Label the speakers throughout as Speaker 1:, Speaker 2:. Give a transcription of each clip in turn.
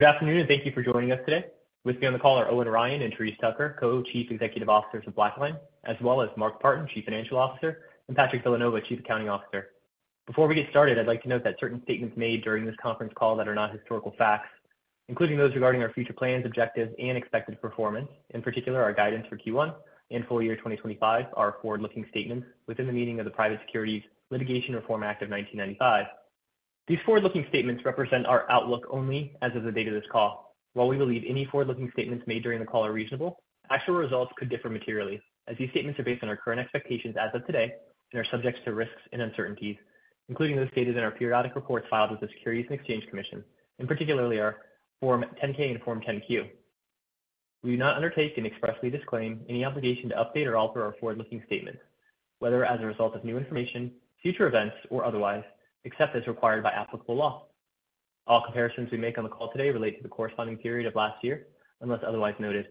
Speaker 1: Good afternoon, and thank you for joining us today. With me on the call are Owen Ryan and Therese Tucker, Co-Chief Executive Officers of BlackLine, as well as Mark Partin, Chief Financial Officer, and Patrick Villanova, Chief Accounting Officer. Before we get started, I'd like to note that certain statements made during this conference call that are not historical facts, including those regarding our future plans, objectives, and expected performance, in particular our guidance for Q1 and full year 2025, are forward-looking statements within the meaning of the Private Securities Litigation Reform Act of 1995. These forward-looking statements represent our outlook only as of the date of this call. While we believe any forward-looking statements made during the call are reasonable, actual results could differ materially, as these statements are based on our current expectations as of today and are subject to risks and uncertainties, including those stated in our periodic reports filed with the Securities and Exchange Commission, and particularly our Form 10-K and Form 10-Q. We do not undertake to expressly disclaim any obligation to update or alter our forward-looking statements, whether as a result of new information, future events, or otherwise, except as required by applicable law. All comparisons we make on the call today relate to the corresponding period of last year, unless otherwise noted.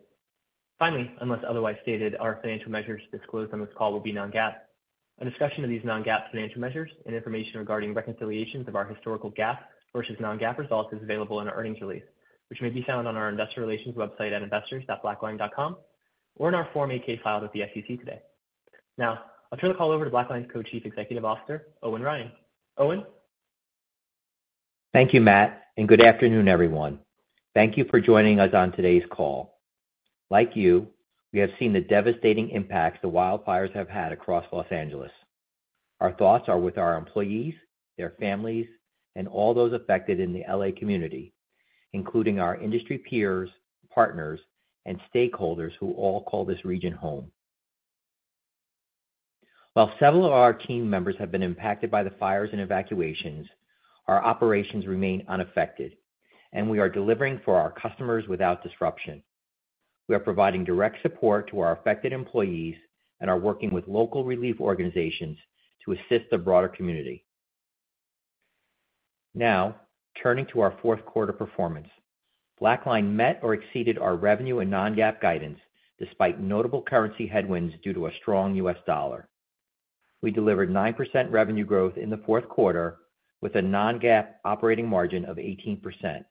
Speaker 1: Finally, unless otherwise stated, our financial measures disclosed on this call will be non-GAAP. A discussion of these non-GAAP financial measures and information regarding reconciliations of our historical GAAP versus non-GAAP results is available in our earnings release, which may be found on our investor relations website at investors.blackline.com or in our Form 8-K filed with the SEC today. Now, I'll turn the call over to BlackLine's Co-Chief Executive Officer, Owen Ryan. Owen.
Speaker 2: Thank you, Matt, and good afternoon, everyone. Thank you for joining us on today's call. Like you, we have seen the devastating impact the wildfires have had across Los Angeles. Our thoughts are with our employees, their families, and all those affected in the L.A. community, including our industry peers, partners, and stakeholders who all call this region home. While several of our team members have been impacted by the fires and evacuations, our operations remain unaffected, and we are delivering for our customers without disruption. We are providing direct support to our affected employees and are working with local relief organizations to assist the broader community. Now, turning to our fourth quarter performance, BlackLine met or exceeded our revenue and non-GAAP guidance despite notable currency headwinds due to a strong U.S. dollar. We delivered 9% revenue growth in the fourth quarter with a non-GAAP operating margin of 18%.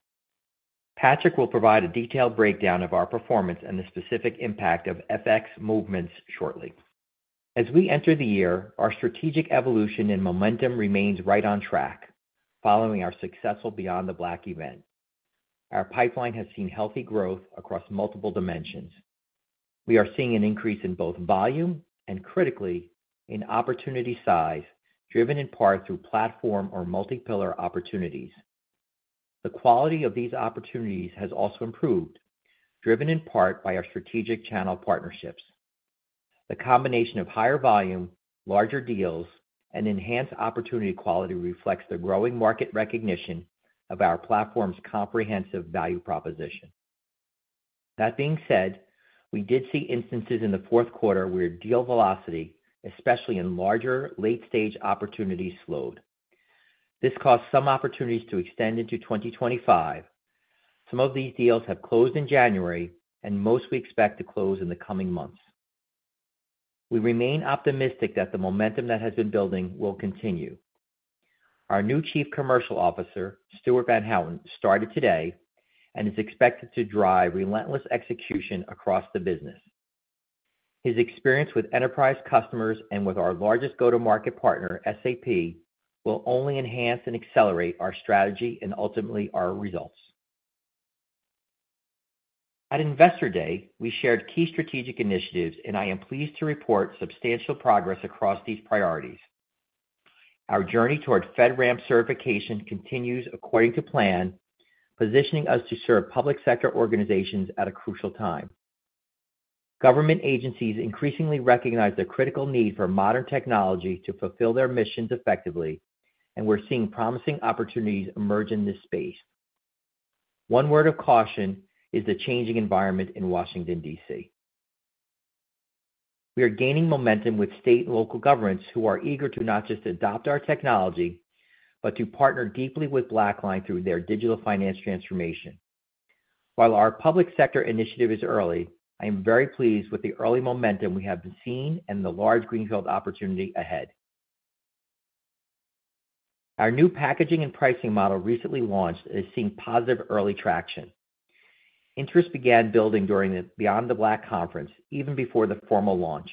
Speaker 2: Patrick will provide a detailed breakdown of our performance and the specific impact of FX movements shortly. As we enter the year, our strategic evolution and momentum remains right on track following our successful BeyondTheBlack event. Our pipeline has seen healthy growth across multiple dimensions. We are seeing an increase in both volume and, critically, in opportunity size, driven in part through platform or multi-pillar opportunities. The quality of these opportunities has also improved, driven in part by our strategic channel partnerships. The combination of higher volume, larger deals, and enhanced opportunity quality reflects the growing market recognition of our platform's comprehensive value proposition. That being said, we did see instances in the fourth quarter where deal velocity, especially in larger late-stage opportunities, slowed. This caused some opportunities to extend into 2025. Some of these deals have closed in January, and most we expect to close in the coming months. We remain optimistic that the momentum that has been building will continue. Our new Chief Commercial Officer, Stuart Van Houten, started today and is expected to drive relentless execution across the business. His experience with enterprise customers and with our largest go-to-market partner, SAP, will only enhance and accelerate our strategy and ultimately our results. At Investor Day, we shared key strategic initiatives, and I am pleased to report substantial progress across these priorities. Our journey toward FedRAMP certification continues according to plan, positioning us to serve public sector organizations at a crucial time. Government agencies increasingly recognize the critical need for modern technology to fulfill their missions effectively, and we're seeing promising opportunities emerge in this space. One word of caution is the changing environment in Washington, D.C. We are gaining momentum with state and local governments who are eager to not just adopt our technology but to partner deeply with BlackLine through their digital finance transformation. While our public sector initiative is early, I am very pleased with the early momentum we have been seeing and the large greenfield opportunity ahead. Our new packaging and pricing model recently launched and has seen positive early traction. Interest began building during the BeyondTheBlack conference, even before the formal launch.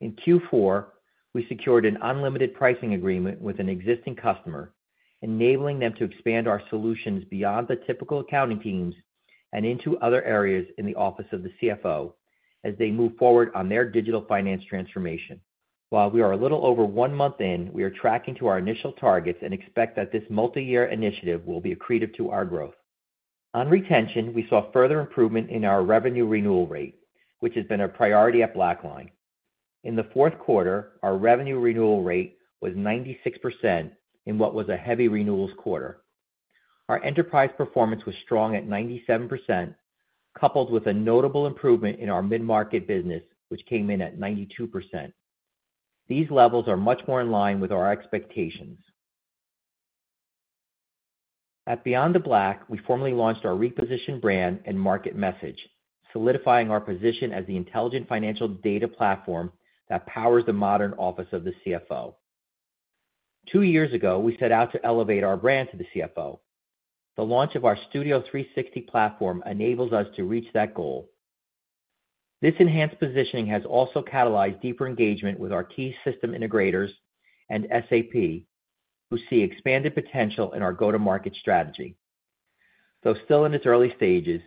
Speaker 2: In Q4, we secured an unlimited pricing agreement with an existing customer, enabling them to expand our solutions beyond the typical accounting teams and into other areas in the Office of the CFO as they move forward on their digital finance transformation. While we are a little over one month in, we are tracking to our initial targets and expect that this multi-year initiative will be accretive to our growth. On retention, we saw further improvement in our revenue renewal rate, which has been a priority at BlackLine. In the fourth quarter, our revenue renewal rate was 96% in what was a heavy renewals quarter. Our enterprise performance was strong at 97%, coupled with a notable improvement in our mid-market business, which came in at 92%. These levels are much more in line with our expectations. At BeyondTheBlack, we formally launched our repositioned brand and market message, solidifying our position as the intelligent financial data platform that powers the modern Office of the CFO. Two years ago, we set out to elevate our brand to the CFO. The launch of our Studio360 platform enables us to reach that goal. This enhanced positioning has also catalyzed deeper engagement with our key system integrators and SAP, who see expanded potential in our go-to-market strategy. Though still in its early stages,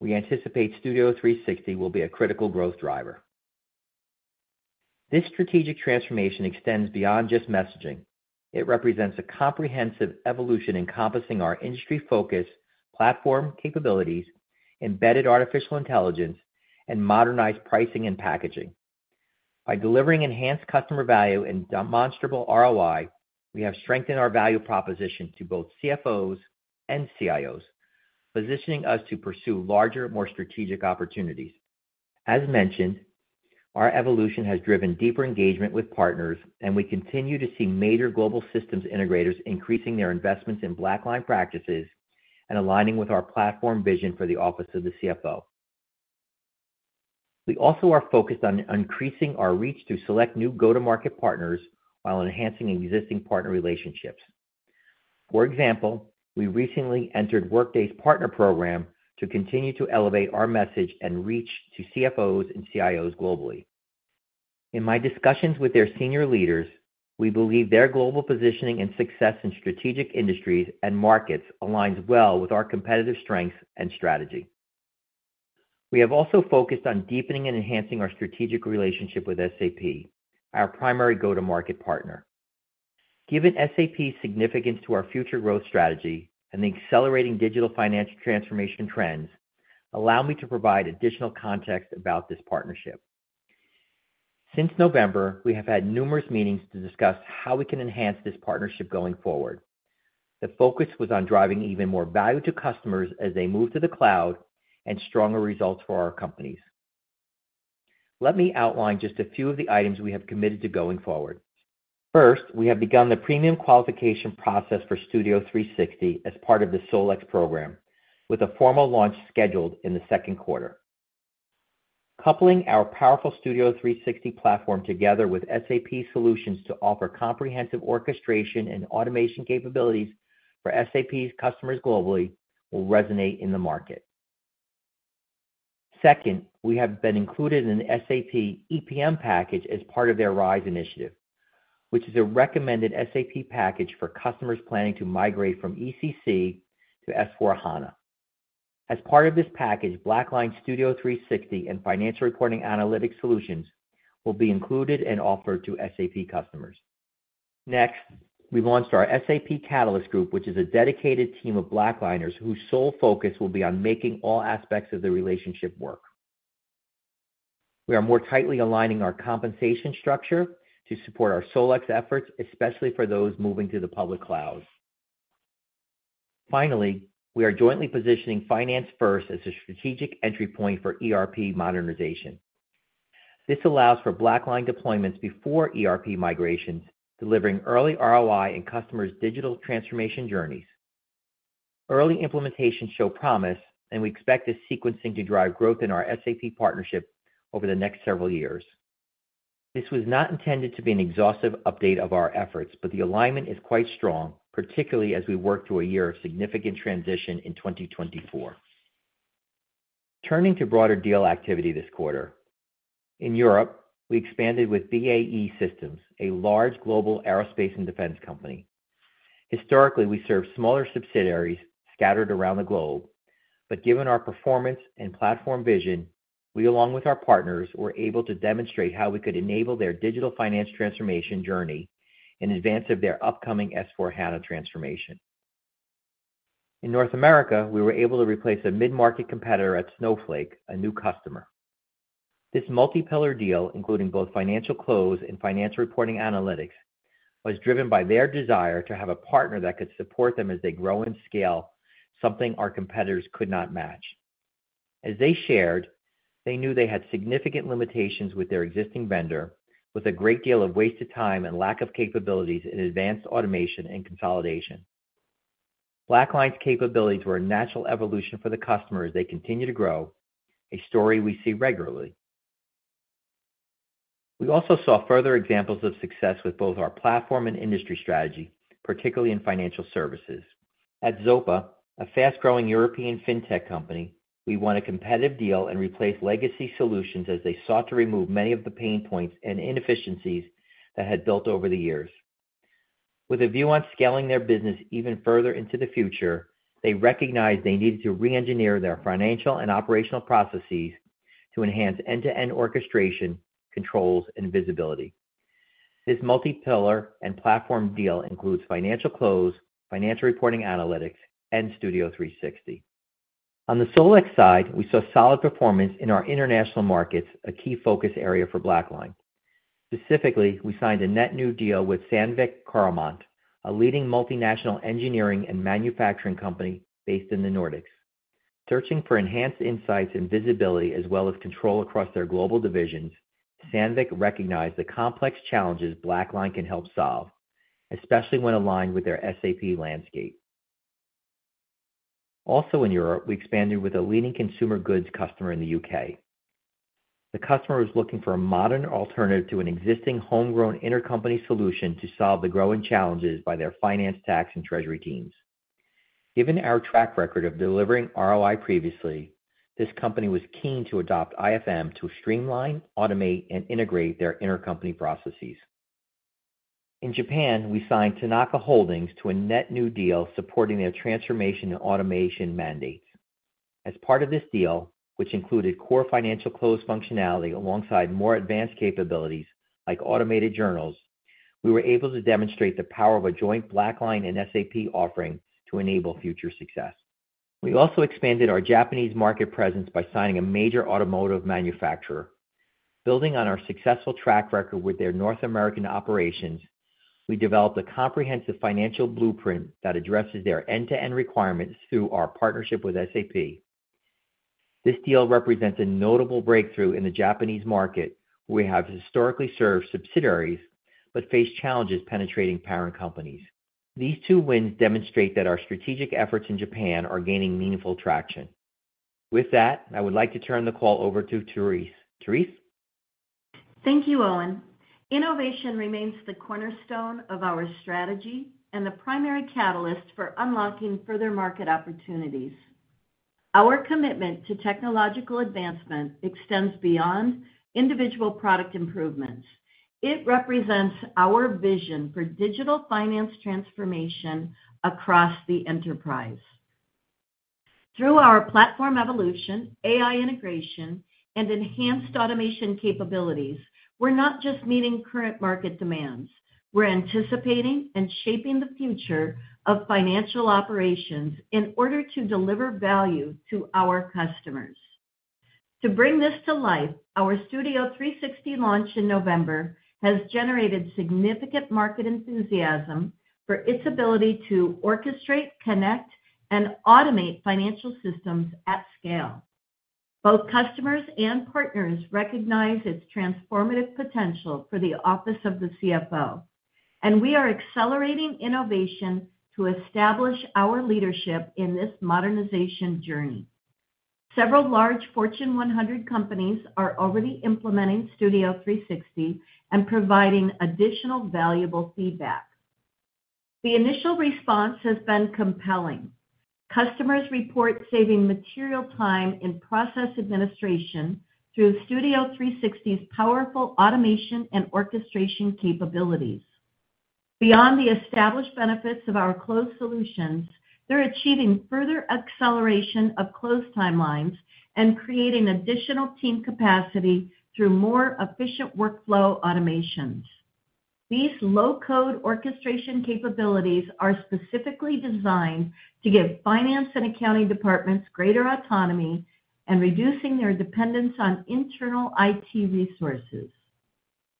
Speaker 2: we anticipate Studio360 will be a critical growth driver. This strategic transformation extends beyond just messaging. It represents a comprehensive evolution encompassing our industry-focused platform capabilities, embedded artificial intelligence, and modernized pricing and packaging. By delivering enhanced customer value and demonstrable ROI, we have strengthened our value proposition to both CFOs and CIOs, positioning us to pursue larger, more strategic opportunities. As mentioned, our evolution has driven deeper engagement with partners, and we continue to see major global systems integrators increasing their investments in BlackLine practices and aligning with our platform vision for the Office of the CFO. We also are focused on increasing our reach to select new go-to-market partners while enhancing existing partner relationships. For example, we recently entered Workday's partner program to continue to elevate our message and reach to CFOs and CIOs globally. In my discussions with their senior leaders, we believe their global positioning and success in strategic industries and markets aligns well with our competitive strengths and strategy. We have also focused on deepening and enhancing our strategic relationship with SAP, our primary go-to-market partner. Given SAP's significance to our future growth strategy and the accelerating digital finance transformation trends, allow me to provide additional context about this partnership. Since November, we have had numerous meetings to discuss how we can enhance this partnership going forward. The focus was on driving even more value to customers as they move to the cloud and stronger results for our companies. Let me outline just a few of the items we have committed to going forward. First, we have begun the premium qualification process for Studio360 as part of the SolEx program, with a formal launch scheduled in the second quarter. Coupling our powerful Studio360 platform together with SAP solutions to offer comprehensive orchestration and automation capabilities for SAP's customers globally will resonate in the market. Second, we have been included in an SAP EPM package as part of their RISE initiative, which is a recommended SAP package for customers planning to migrate from ECC to S/4HANA. As part of this package, BlackLine Studio360 and financial reporting analytics solutions will be included and offered to SAP customers. Next, we launched our SAP Catalyst Group, which is a dedicated team of BlackLiners whose sole focus will be on making all aspects of the relationship work. We are more tightly aligning our compensation structure to support our SolEx efforts, especially for those moving to the public cloud. Finally, we are jointly positioning Finance First as a strategic entry point for ERP modernization. This allows for BlackLine deployments before ERP migrations, delivering early ROI in customers' digital transformation journeys. Early implementations show promise, and we expect this sequencing to drive growth in our SAP partnership over the next several years. This was not intended to be an exhaustive update of our efforts, but the alignment is quite strong, particularly as we work through a year of significant transition in 2024. Turning to broader deal activity this quarter, in Europe, we expanded with BAE Systems, a large global aerospace and defense company. Historically, we served smaller subsidiaries scattered around the globe, but given our performance and platform vision, we, along with our partners, were able to demonstrate how we could enable their digital finance transformation journey in advance of their upcoming S/4HANA transformation. In North America, we were able to replace a mid-market competitor at Snowflake, a new customer. This multi-pillar deal, including both Financial Close and Financial Reporting Analytics, was driven by their desire to have a partner that could support them as they grow and scale, something our competitors could not match. As they shared, they knew they had significant limitations with their existing vendor, with a great deal of wasted time and lack of capabilities in advanced automation and consolidation. BlackLine's capabilities were a natural evolution for the customers as they continue to grow, a story we see regularly. We also saw further examples of success with both our platform and industry strategy, particularly in financial services. At Zopa, a fast-growing European fintech company, we won a competitive deal and replaced legacy solutions as they sought to remove many of the pain points and inefficiencies that had built over the years. With a view on scaling their business even further into the future, they recognized they needed to re-engineer their financial and operational processes to enhance end-to-end orchestration, controls, and visibility. This multi-pillar and platform deal includes Financial Close, Financial Reporting Analytics, and Studio360. On the SolEx side, we saw solid performance in our international markets, a key focus area for BlackLine. Specifically, we signed a net new deal with Sandvik Coromant, a leading multinational engineering and manufacturing company based in the Nordics. Searching for enhanced insights and visibility as well as control across their global divisions, Sandvik recognized the complex challenges BlackLine can help solve, especially when aligned with their SAP landscape. Also in Europe, we expanded with a leading consumer goods customer in the U.K. The customer was looking for a modern alternative to an existing homegrown intercompany solution to solve the growing challenges by their finance tax and treasury teams. Given our track record of delivering ROI previously, this company was keen to adopt IFM to streamline, automate, and integrate their intercompany processes. In Japan, we signed Tanaka Holdings to a net new deal supporting their transformation and automation mandates. As part of this deal, which included core financial close functionality alongside more advanced capabilities like automated journals, we were able to demonstrate the power of a joint BlackLine and SAP offering to enable future success. We also expanded our Japanese market presence by signing a major automotive manufacturer. Building on our successful track record with their North American operations, we developed a comprehensive financial blueprint that addresses their end-to-end requirements through our partnership with SAP. This deal represents a notable breakthrough in the Japanese market, where we have historically served subsidiaries but faced challenges penetrating parent companies. These two wins demonstrate that our strategic efforts in Japan are gaining meaningful traction. With that, I would like to turn the call over to Therese. Therese.
Speaker 3: Thank you, Owen. Innovation remains the cornerstone of our strategy and the primary catalyst for unlocking further market opportunities. Our commitment to technological advancement extends beyond individual product improvements. It represents our vision for digital finance transformation across the enterprise. Through our platform evolution, AI integration, and enhanced automation capabilities, we're not just meeting current market demands. We're anticipating and shaping the future of financial operations in order to deliver value to our customers. To bring this to life, our Studio360 launch in November has generated significant market enthusiasm for its ability to orchestrate, connect, and automate financial systems at scale. Both customers and partners recognize its transformative potential for the Office of the CFO, and we are accelerating innovation to establish our leadership in this modernization journey. Several large Fortune 100 companies are already implementing Studio360 and providing additional valuable feedback. The initial response has been compelling. Customers report saving material time in process administration through Studio360's powerful automation and orchestration capabilities. Beyond the established benefits of our closed solutions, they're achieving further acceleration of closed timelines and creating additional team capacity through more efficient workflow automations. These low-code orchestration capabilities are specifically designed to give finance and accounting departments greater autonomy and reduce their dependence on internal IT resources.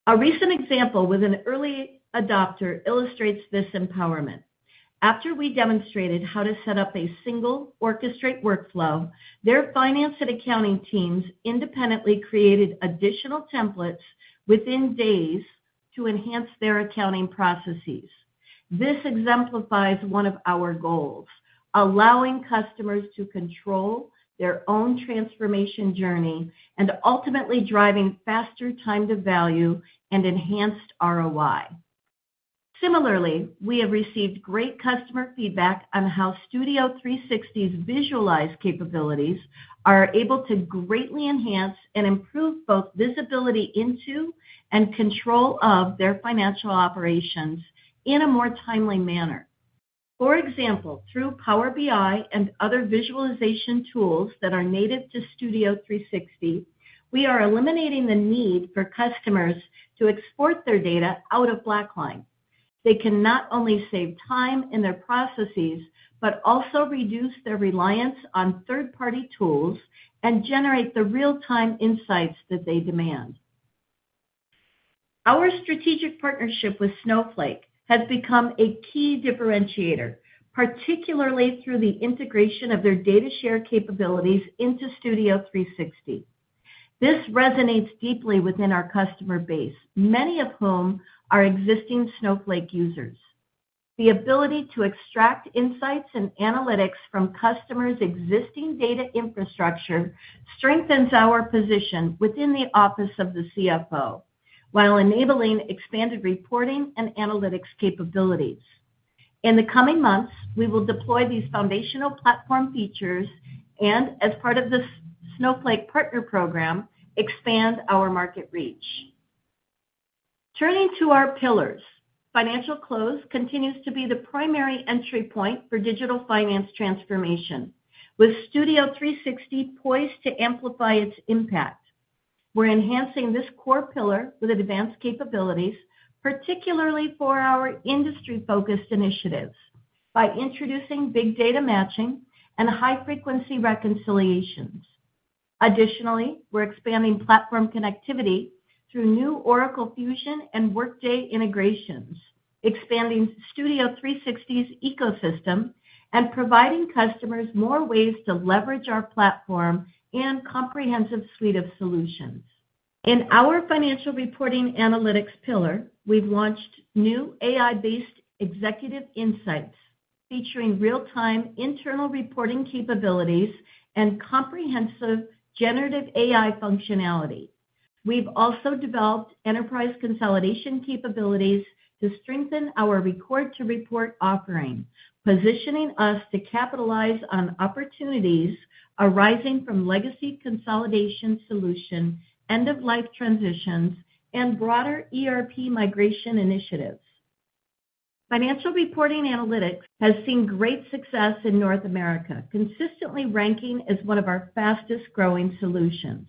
Speaker 3: A recent example with an early adopter illustrates this empowerment. After we demonstrated how to set up a single orchestrated workflow, their finance and accounting teams independently created additional templates within days to enhance their accounting processes. This exemplifies one of our goals: allowing customers to control their own transformation journey and ultimately driving faster time to value and enhanced ROI. Similarly, we have received great customer feedback on how Studio360's visualization capabilities are able to greatly enhance and improve both visibility into and control of their financial operations in a more timely manner. For example, through Power BI and other visualization tools that are native to Studio360, we are eliminating the need for customers to export their data out of BlackLine. They can not only save time in their processes but also reduce their reliance on third-party tools and generate the real-time insights that they demand. Our strategic partnership with Snowflake has become a key differentiator, particularly through the integration of their data share capabilities into Studio360. This resonates deeply within our customer base, many of whom are existing Snowflake users. The ability to extract insights and analytics from customers' existing data infrastructure strengthens our position within the Office of the CFO while enabling expanded reporting and analytics capabilities. In the coming months, we will deploy these foundational platform features and, as part of the Snowflake Partner Program, expand our market reach. Turning to our pillars, financial close continues to be the primary entry point for digital finance transformation, with Studio360 poised to amplify its impact. We're enhancing this core pillar with advanced capabilities, particularly for our industry-focused initiatives, by introducing Big Data Matching and High Frequency Reconciliations. Additionally, we're expanding platform connectivity through new Oracle Fusion and Workday integrations, expanding Studio360's ecosystem, and providing customers more ways to leverage our platform and comprehensive suite of solutions. In our Financial Reporting Analytics pillar, we've launched new AI-based executive insights featuring real-time internal reporting capabilities and comprehensive generative AI functionality. We've also developed enterprise consolidation capabilities to strengthen our report-to-report offering, positioning us to capitalize on opportunities arising from legacy consolidation solutions, end-of-life transitions, and broader ERP migration initiatives. Financial Reporting Analytics has seen great success in North America, consistently ranking as one of our fastest-growing solutions.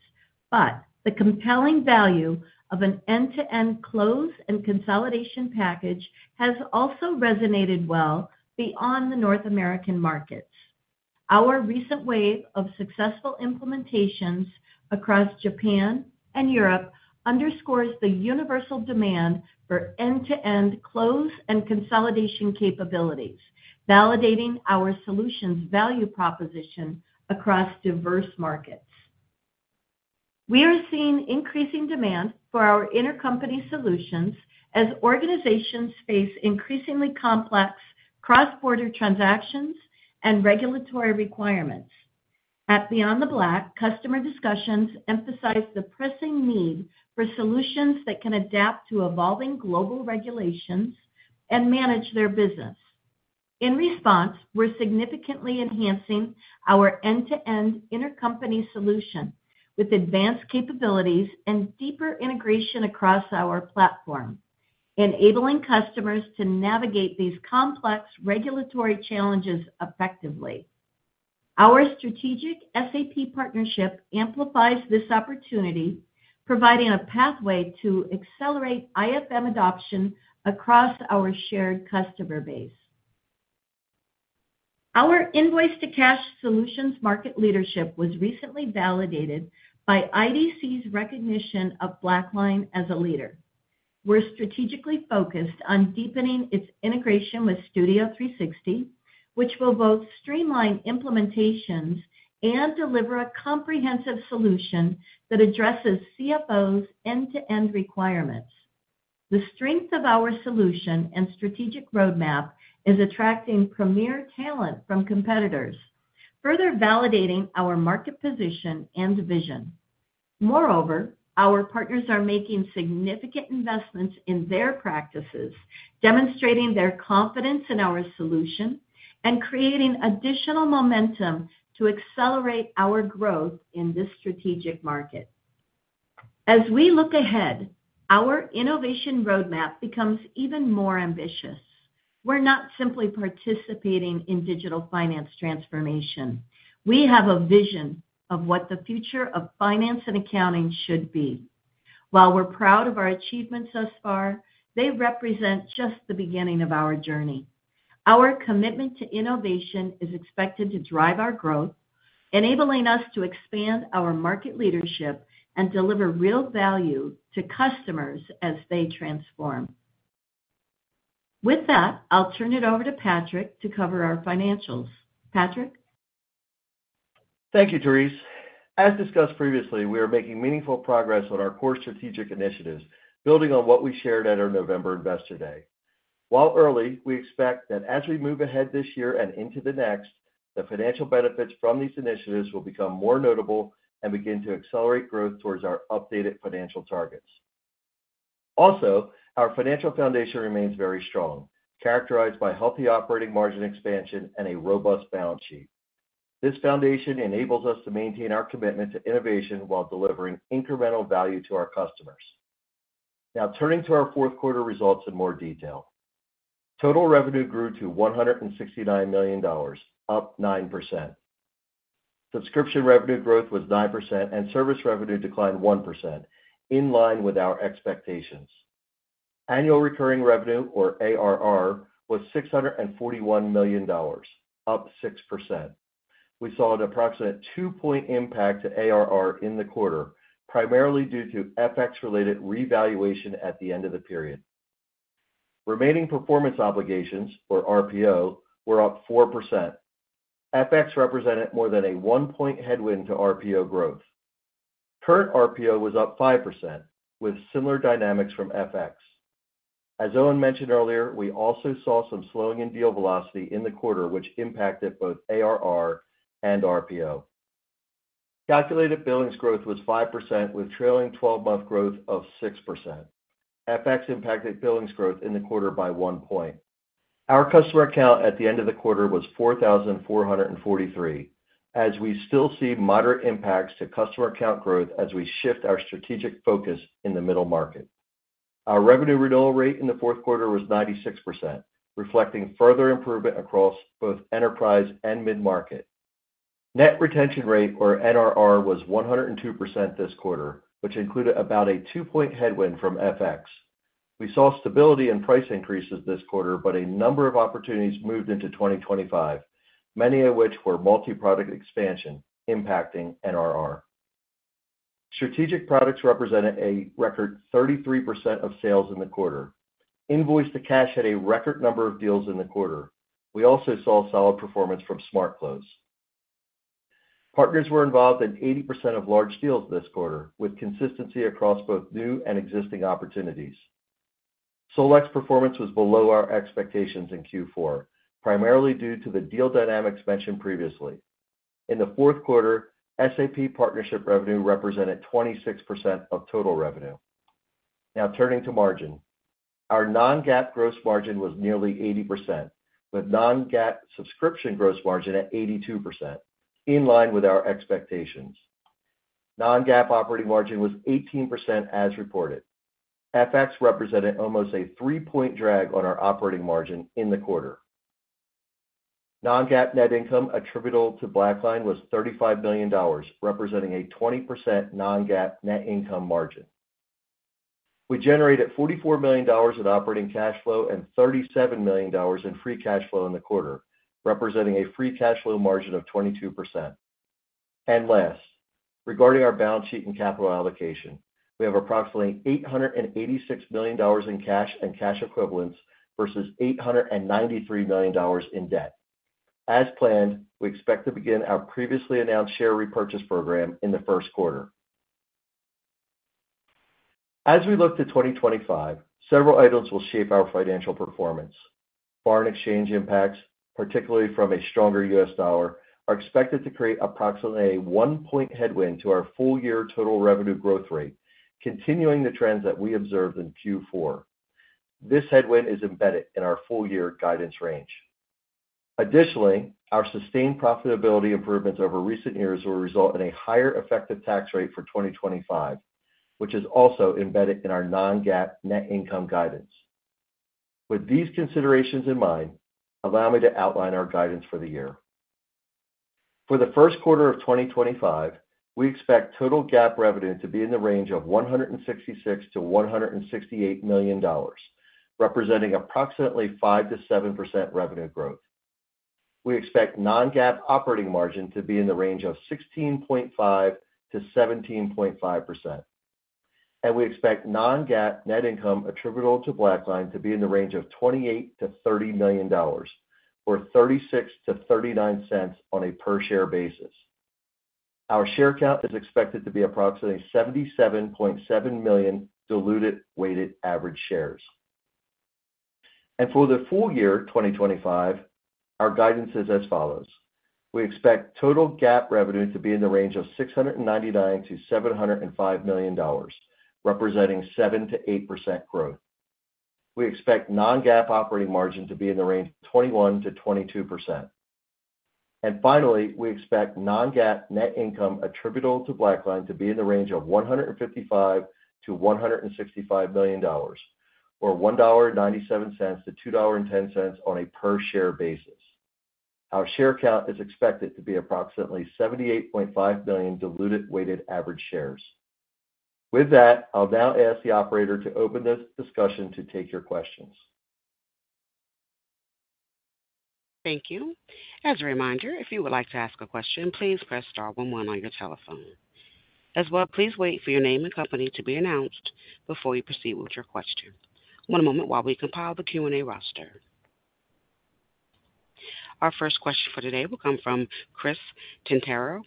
Speaker 3: But the compelling value of an end-to-end close and consolidation package has also resonated well beyond the North American markets. Our recent wave of successful implementations across Japan and Europe underscores the universal demand for end-to-end close and consolidation capabilities, validating our solution's value proposition across diverse markets. We are seeing increasing demand for our intercompany solutions as organizations face increasingly complex cross-border transactions and regulatory requirements. At BeyondTheBlack, customer discussions emphasize the pressing need for solutions that can adapt to evolving global regulations and manage their business. In response, we're significantly enhancing our end-to-end Intercompany solution with advanced capabilities and deeper integration across our platform, enabling customers to navigate these complex regulatory challenges effectively. Our strategic SAP partnership amplifies this opportunity, providing a pathway to accelerate IFM adoption across our shared customer base. Our Invoice-to-Cash solutions market leadership was recently validated by IDC's recognition of BlackLine as a leader. We're strategically focused on deepening its integration with Studio360, which will both streamline implementations and deliver a comprehensive solution that addresses CFO's end-to-end requirements. The strength of our solution and strategic roadmap is attracting premier talent from competitors, further validating our market position and vision. Moreover, our partners are making significant investments in their practices, demonstrating their confidence in our solution and creating additional momentum to accelerate our growth in this strategic market. As we look ahead, our innovation roadmap becomes even more ambitious. We're not simply participating in digital finance transformation. We have a vision of what the future of finance and accounting should be. While we're proud of our achievements thus far, they represent just the beginning of our journey. Our commitment to innovation is expected to drive our growth, enabling us to expand our market leadership and deliver real value to customers as they transform. With that, I'll turn it over to Patrick to cover our financials. Patrick.
Speaker 4: Thank you, Therese. As discussed previously, we are making meaningful progress on our core strategic initiatives, building on what we shared at our November Investor Day. While early, we expect that as we move ahead this year and into the next, the financial benefits from these initiatives will become more notable and begin to accelerate growth towards our updated financial targets. Also, our financial foundation remains very strong, characterized by healthy operating margin expansion and a robust balance sheet. This foundation enables us to maintain our commitment to innovation while delivering incremental value to our customers. Now, turning to our fourth quarter results in more detail. Total revenue grew to $169 million, up 9%. Subscription revenue growth was 9%, and service revenue declined 1%, in line with our expectations. Annual recurring revenue, or ARR, was $641 million, up 6%. We saw an approximate two-point impact to ARR in the quarter, primarily due to FX-related revaluation at the end of the period. Remaining performance obligations, or RPO, were up 4%. FX represented more than a one-point headwind to RPO growth. Current RPO was up 5%, with similar dynamics from FX. As Owen mentioned earlier, we also saw some slowing in deal velocity in the quarter, which impacted both ARR and RPO. Calculated billings growth was 5%, with trailing 12-month growth of 6%. FX impacted billings growth in the quarter by one point. Our customer count at the end of the quarter was 4,443, as we still see moderate impacts to customer count growth as we shift our strategic focus in the middle market. Our revenue renewal rate in the fourth quarter was 96%, reflecting further improvement across both enterprise and mid-market. Net retention rate, or NRR, was 102% this quarter, which included about a two-point headwind from FX. We saw stability in price increases this quarter, but a number of opportunities moved into 2025, many of which were multi-product expansion, impacting NRR. Strategic products represented a record 33% of sales in the quarter. Invoice-to-Cash had a record number of deals in the quarter. We also saw solid performance from Smart Close. Partners were involved in 80% of large deals this quarter, with consistency across both new and existing opportunities. SolEx performance was below our expectations in Q4, primarily due to the deal dynamics mentioned previously. In the fourth quarter, SAP partnership revenue represented 26% of total revenue. Now, turning to margin. Our Non-GAAP gross margin was nearly 80%, with Non-GAAP subscription gross margin at 82%, in line with our expectations. Non-GAAP operating margin was 18% as reported. FX represented almost a three-point drag on our operating margin in the quarter. Non-GAAP net income attributable to BlackLine was $35 million, representing a 20% Non-GAAP net income margin. We generated $44 million in operating cash flow and $37 million in free cash flow in the quarter, representing a free cash flow margin of 22%. Last, regarding our balance sheet and capital allocation, we have approximately $886 million in cash and cash equivalents versus $893 million in debt. As planned, we expect to begin our previously announced share repurchase program in the first quarter. As we look to 2025, several items will shape our financial performance. Foreign exchange impacts, particularly from a stronger U.S. dollar, are expected to create approximately a one-point headwind to our full-year total revenue growth rate, continuing the trends that we observed in Q4. This headwind is embedded in our full-year guidance range. Additionally, our sustained profitability improvements over recent years will result in a higher effective tax rate for 2025, which is also embedded in our non-GAAP net income guidance. With these considerations in mind, allow me to outline our guidance for the year. For the first quarter of 2025, we expect total GAAP revenue to be in the range of $166-$168 million, representing approximately 5%-7% revenue growth. We expect non-GAAP operating margin to be in the range of 16.5%-17.5%. We expect non-GAAP net income attributable to BlackLine to be in the range of $28-$30 million, or $0.36-$0.39 on a per-share basis. Our share count is expected to be approximately 77.7 million diluted weighted average shares. For the full year 2025, our guidance is as follows. We expect total GAAP revenue to be in the range of $699-$705 million, representing 7%-8% growth. We expect non-GAAP operating margin to be in the range of 21%-22%. Finally, we expect non-GAAP net income attributable to BlackLine to be in the range of $155-$165 million, or $1.97-$2.10 on a per-share basis. Our share count is expected to be approximately 78.5 million diluted weighted average shares. With that, I'll now ask the operator to open this discussion to take your questions.
Speaker 5: Thank you. As a reminder, if you would like to ask a question, please press star 11 on your telephone. As well, please wait for your name and company to be announced before you proceed with your question. One moment while we compile the Q&A roster. Our first question for today will come from Chris Quintero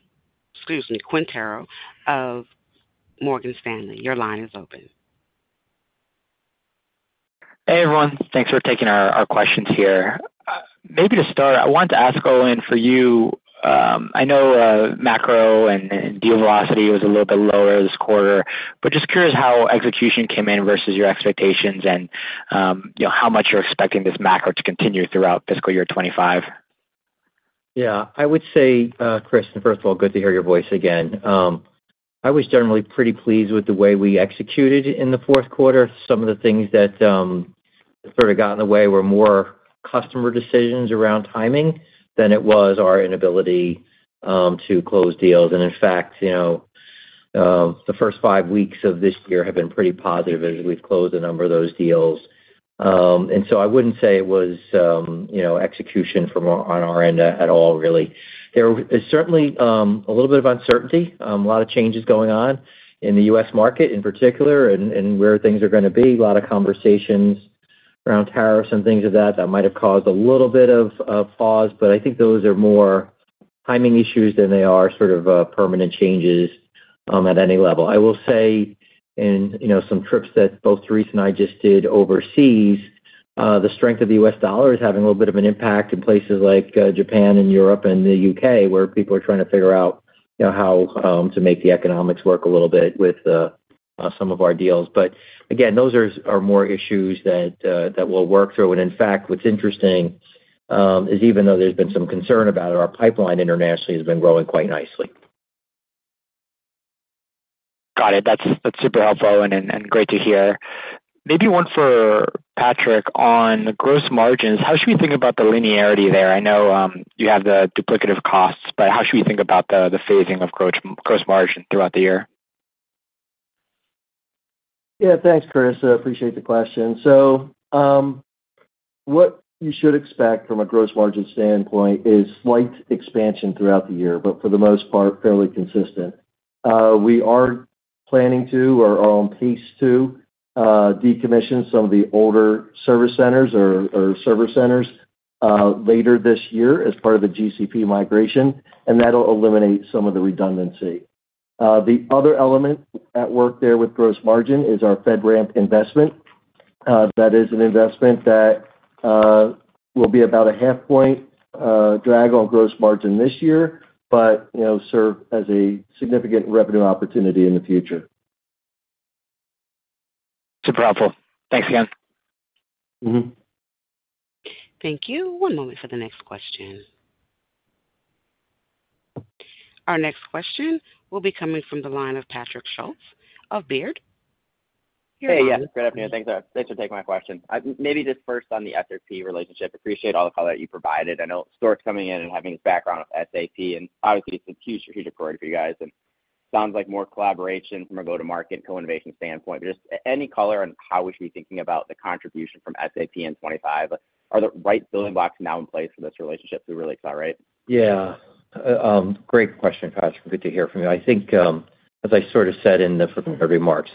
Speaker 5: of Morgan Stanley. Your line is open.
Speaker 6: Hey, everyone. Thanks for taking our questions here. Maybe to start, I wanted to ask Owen for you. I know macro and deal velocity was a little bit lower this quarter, but just curious how execution came in versus your expectations and how much you're expecting this macro to continue throughout fiscal year 2025.
Speaker 2: Yeah. I would say, Chris, and first of all, good to hear your voice again. I was generally pretty pleased with the way we executed in the fourth quarter. Some of the things that sort of got in the way were more customer decisions around timing than it was our inability to close deals. And in fact, the first five weeks of this year have been pretty positive as we've closed a number of those deals. And so I wouldn't say it was execution from on our end at all, really. There is certainly a little bit of uncertainty, a lot of changes going on in the U.S. market in particular and where things are going to be. A lot of conversations around tariffs and things of that that might have caused a little bit of pause. But I think those are more timing issues than they are sort of permanent changes at any level. I will say in some trips that both Therese and I just did overseas, the strength of the U.S. dollar is having a little bit of an impact in places like Japan and Europe and the U.K., where people are trying to figure out how to make the economics work a little bit with some of our deals, but again, those are more issues that we'll work through. And in fact, what's interesting is even though there's been some concern about it, our pipeline internationally has been growing quite nicely.
Speaker 6: Got it. That's super helpful and great to hear. Maybe one for Patrick on gross margins. How should we think about the linearity there? I know you have the duplicative costs, but how should we think about the phasing of gross margin throughout the year?
Speaker 4: Yeah. Thanks, Chris. Appreciate the question. So what you should expect from a gross margin standpoint is slight expansion throughout the year, but for the most part, fairly consistent. We are planning to, or are on pace to, decommission some of the older service centers or server centers later this year as part of the GCP migration, and that'll eliminate some of the redundancy. The other element at work there with gross margin is our FedRAMP investment. That is an investment that will be about a half-point drag on gross margin this year, but serve as a significant revenue opportunity in the future.
Speaker 6: Super helpful. Thanks again.
Speaker 5: Thank you. One moment for the next question. Our next question will be coming from the line of Patrick Schulz of Baird.
Speaker 7: Hey, yeah. Good afternoon. Thanks for taking my question. Maybe just first on the SAP relationship, appreciate all the color that you provided. I know Stuart's coming in and having his background with SAP, and obviously, it's a huge, huge priority for you guys. And it sounds like more collaboration from a go-to-market and co-innovation standpoint. But just any color on how we should be thinking about the contribution from SAP in 2025? Are the right building blocks now in place for this relationship to really accelerate?
Speaker 2: Yeah. Great question, Patrick. Good to hear from you. I think, as I sort of said in the remarks,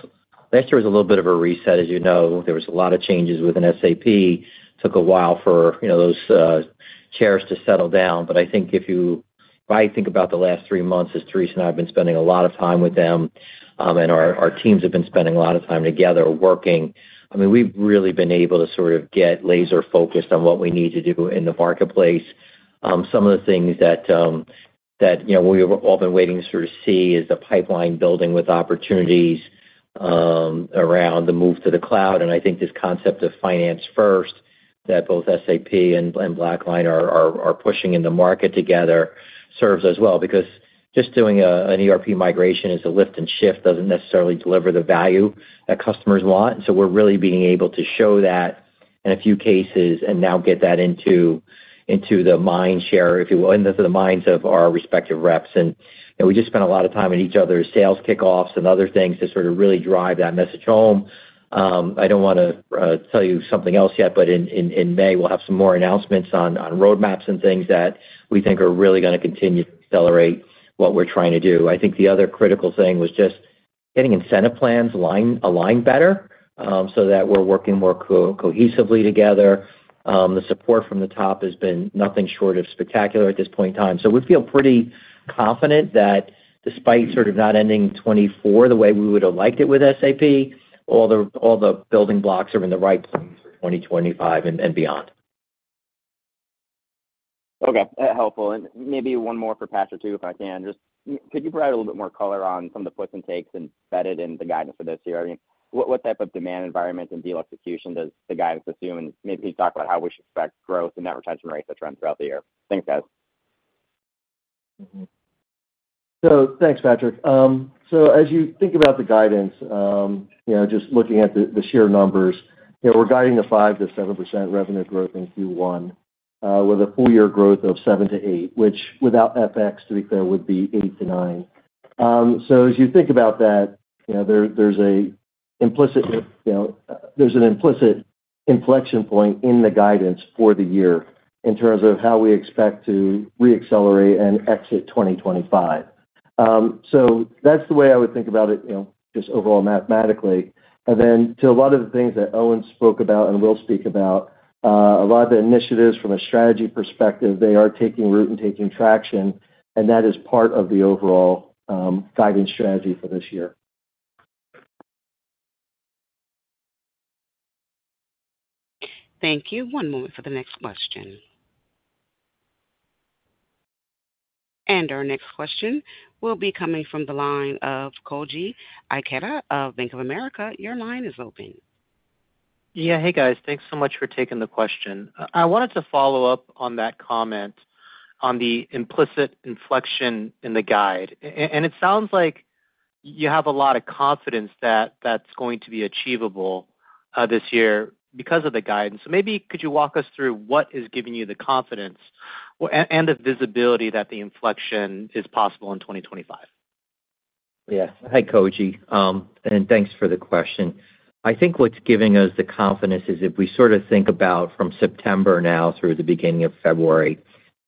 Speaker 2: last year was a little bit of a reset. As you know, there was a lot of changes within SAP. Took a while for those chairs to settle down. But I think if I think about the last three months, as Therese and I have been spending a lot of time with them, and our teams have been spending a lot of time together working, I mean, we've really been able to sort of get laser-focused on what we need to do in the marketplace. Some of the things that we've all been waiting to sort of see is the pipeline building with opportunities around the move to the cloud. And I think this concept of finance first that both SAP and BlackLine are pushing in the market together serves as well. Because just doing an ERP migration is a lift and shift, doesn't necessarily deliver the value that customers want. And so we're really being able to show that in a few cases and now get that into the mind share, if you will, into the minds of our respective reps. And we just spent a lot of time in each other's sales kickoffs and other things to sort of really drive that message home. I don't want to tell you something else yet, but in May, we'll have some more announcements on roadmaps and things that we think are really going to continue to accelerate what we're trying to do. I think the other critical thing was just getting incentive plans aligned better so that we're working more cohesively together. The support from the top has been nothing short of spectacular at this point in time. So we feel pretty confident that despite sort of not ending 2024 the way we would have liked it with SAP, all the building blocks are in the right place for 2025 and beyond.
Speaker 7: Okay. Helpful. And maybe one more for Patrick too, if I can. Just could you provide a little bit more color on some of the puts and takes embedded in the guidance for this year? I mean, what type of demand environment and deal execution does the guidance assume? And maybe could you talk about how we should expect growth and net retention rates to trend throughout the year? Thanks, guys.
Speaker 4: So thanks, Patrick. So as you think about the guidance, just looking at the sheer numbers, we're guiding 5%-7% revenue growth in Q1 with a full-year growth of 7%-8%, which without FX, to be fair, would be 8%-9%. So as you think about that, there's an implicit inflection point in the guidance for the year in terms of how we expect to re-accelerate and exit 2025. So that's the way I would think about it, just overall mathematically. And then to a lot of the things that Owen spoke about and will speak about, a lot of the initiatives from a strategy perspective, they are taking root and taking traction, and that is part of the overall guidance strategy for this year.
Speaker 5: Thank you. One moment for the next question. And our next question will be coming from the line of Koji Ikeda of Bank of America. Your line is open.
Speaker 8: Yeah. Hey, guys. Thanks so much for taking the question. I wanted to follow up on that comment on the implicit inflection in the guide. And it sounds like you have a lot of confidence that that's going to be achievable this year because of the guidance. So maybe could you walk us through what is giving you the confidence and the visibility that the inflection is possible in 2025?
Speaker 2: Yes. Hi, Koji. And thanks for the question. I think what's giving us the confidence is if we sort of think about from September now through the beginning of February,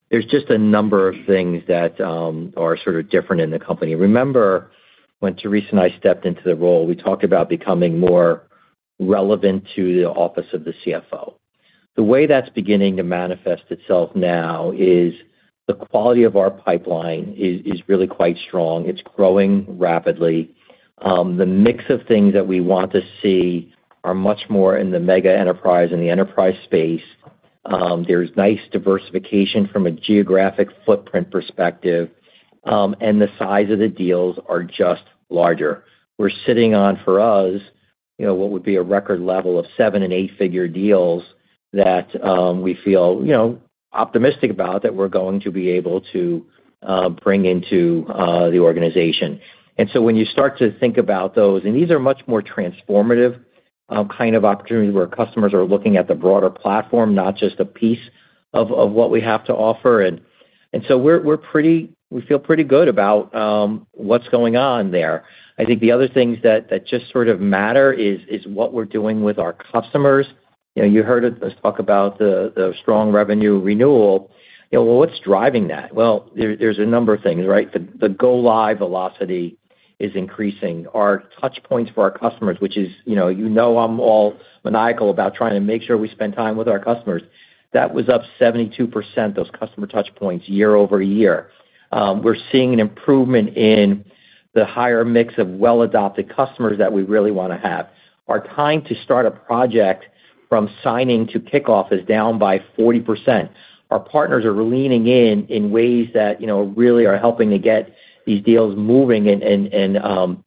Speaker 2: there's just a number of things that are sort of different in the company. Remember when Therese and I stepped into the role, we talked about becoming more relevant to the Office of the CFO. The way that's beginning to manifest itself now is the quality of our pipeline is really quite strong. It's growing rapidly. The mix of things that we want to see are much more in the mega enterprise and the enterprise space. There's nice diversification from a geographic footprint perspective, and the size of the deals are just larger. We're sitting on, for us, what would be a record level of seven and eight-figure deals that we feel optimistic about that we're going to be able to bring into the organization. And so when you start to think about those, and these are much more transformative kind of opportunities where customers are looking at the broader platform, not just a piece of what we have to offer. And so we feel pretty good about what's going on there. I think the other things that just sort of matter is what we're doing with our customers. You heard us talk about the strong revenue renewal. Well, what's driving that? There's a number of things, right? The go-live velocity is increasing. Our touch points for our customers, which is you know I'm all maniacal about trying to make sure we spend time with our customers, that was up 72%, those customer touch points year over year. We're seeing an improvement in the higher mix of well-adopted customers that we really want to have. Our time to start a project from signing to kickoff is down by 40%. Our partners are leaning in in ways that really are helping to get these deals moving and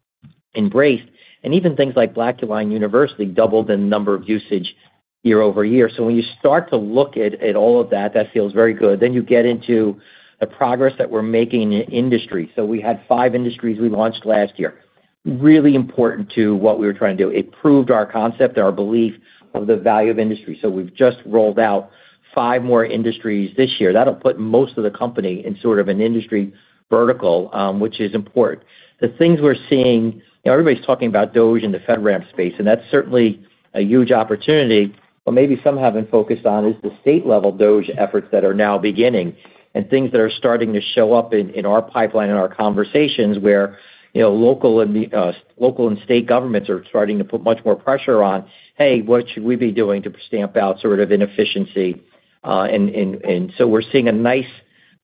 Speaker 2: embraced. Even things like BlackLine University doubled in number of usage year over year. When you start to look at all of that, that feels very good. You get into the progress that we're making in industry. We had five industries we launched last year. Really important to what we were trying to do. It proved our concept, our belief of the value of industry. So we've just rolled out five more industries this year. That'll put most of the company in sort of an industry vertical, which is important. The things we're seeing, everybody's talking about DOGE in the FedRAMP space, and that's certainly a huge opportunity. But maybe some haven't focused on is the state-level DOGE efforts that are now beginning and things that are starting to show up in our pipeline and our conversations where local and state governments are starting to put much more pressure on, "Hey, what should we be doing to stamp out sort of inefficiency?" And so we're seeing a nice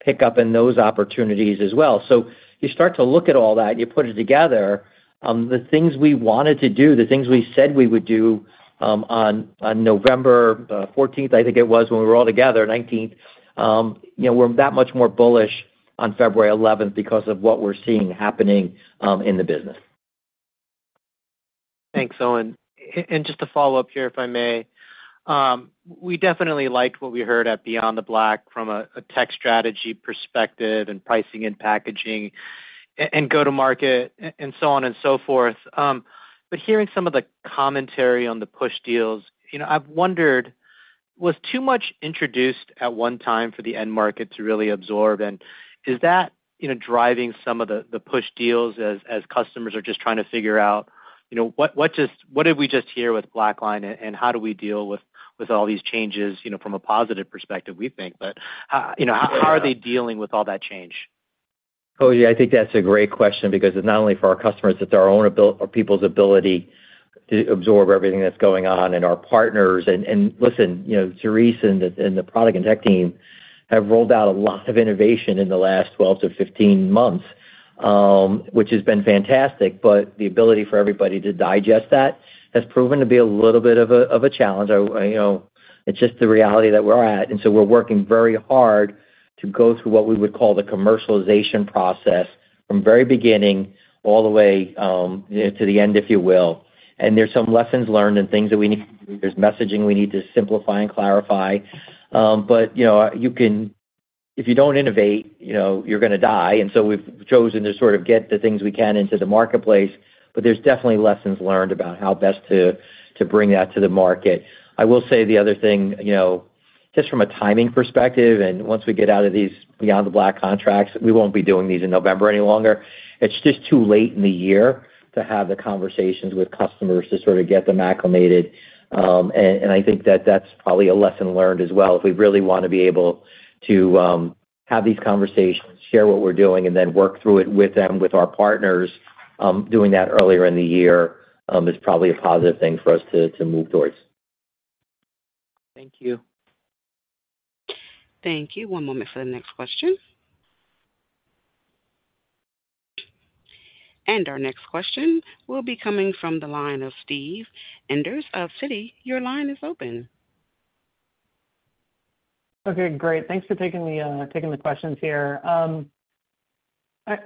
Speaker 2: pickup in those opportunities as well. So you start to look at all that, you put it together, the things we wanted to do, the things we said we would do on November 14th, I think it was when we were all together, 19th, we're that much more bullish on February 11th because of what we're seeing happening in the business.
Speaker 8: Thanks, Owen. And just to follow up here, if I may, we definitely liked what we heard at BeyondTheBlack from a tech strategy perspective and pricing and packaging and go-to-market and so on and so forth. But hearing some of the commentary on the push deals, I've wondered, was too much introduced at one time for the end market to really absorb? And is that driving some of the push deals as customers are just trying to figure out what did we just hear with BlackLine and how do we deal with all these changes from a positive perspective, we think? But how are they dealing with all that change?
Speaker 2: Koji, I think that's a great question because it's not only for our customers; it's our own people's ability to absorb everything that's going on and our partners. And listen, Therese and the product and tech team have rolled out a lot of innovation in the last 12 to 15 months, which has been fantastic. But the ability for everybody to digest that has proven to be a little bit of a challenge. It's just the reality that we're at. And so we're working very hard to go through what we would call the commercialization process from very beginning all the way to the end, if you will. And there's some lessons learned and things that we need to do. There's messaging we need to simplify and clarify. But if you don't innovate, you're going to die. And so we've chosen to sort of get the things we can into the marketplace. But there's definitely lessons learned about how best to bring that to the market. I will say the other thing, just from a timing perspective, and once we get out of these BeyondTheBlack contracts, we won't be doing these in November any longer. It's just too late in the year to have the conversations with customers to sort of get them acclimated. And I think that that's probably a lesson learned as well. If we really want to be able to have these conversations, share what we're doing, and then work through it with them, with our partners, doing that earlier in the year is probably a positive thing for us to move towards.
Speaker 8: Thank you.
Speaker 5: Thank you. One moment for the next question. And our next question will be coming from the line of Steve Enders of Citi. Your line is open.
Speaker 9: Okay. Great. Thanks for taking the questions here. I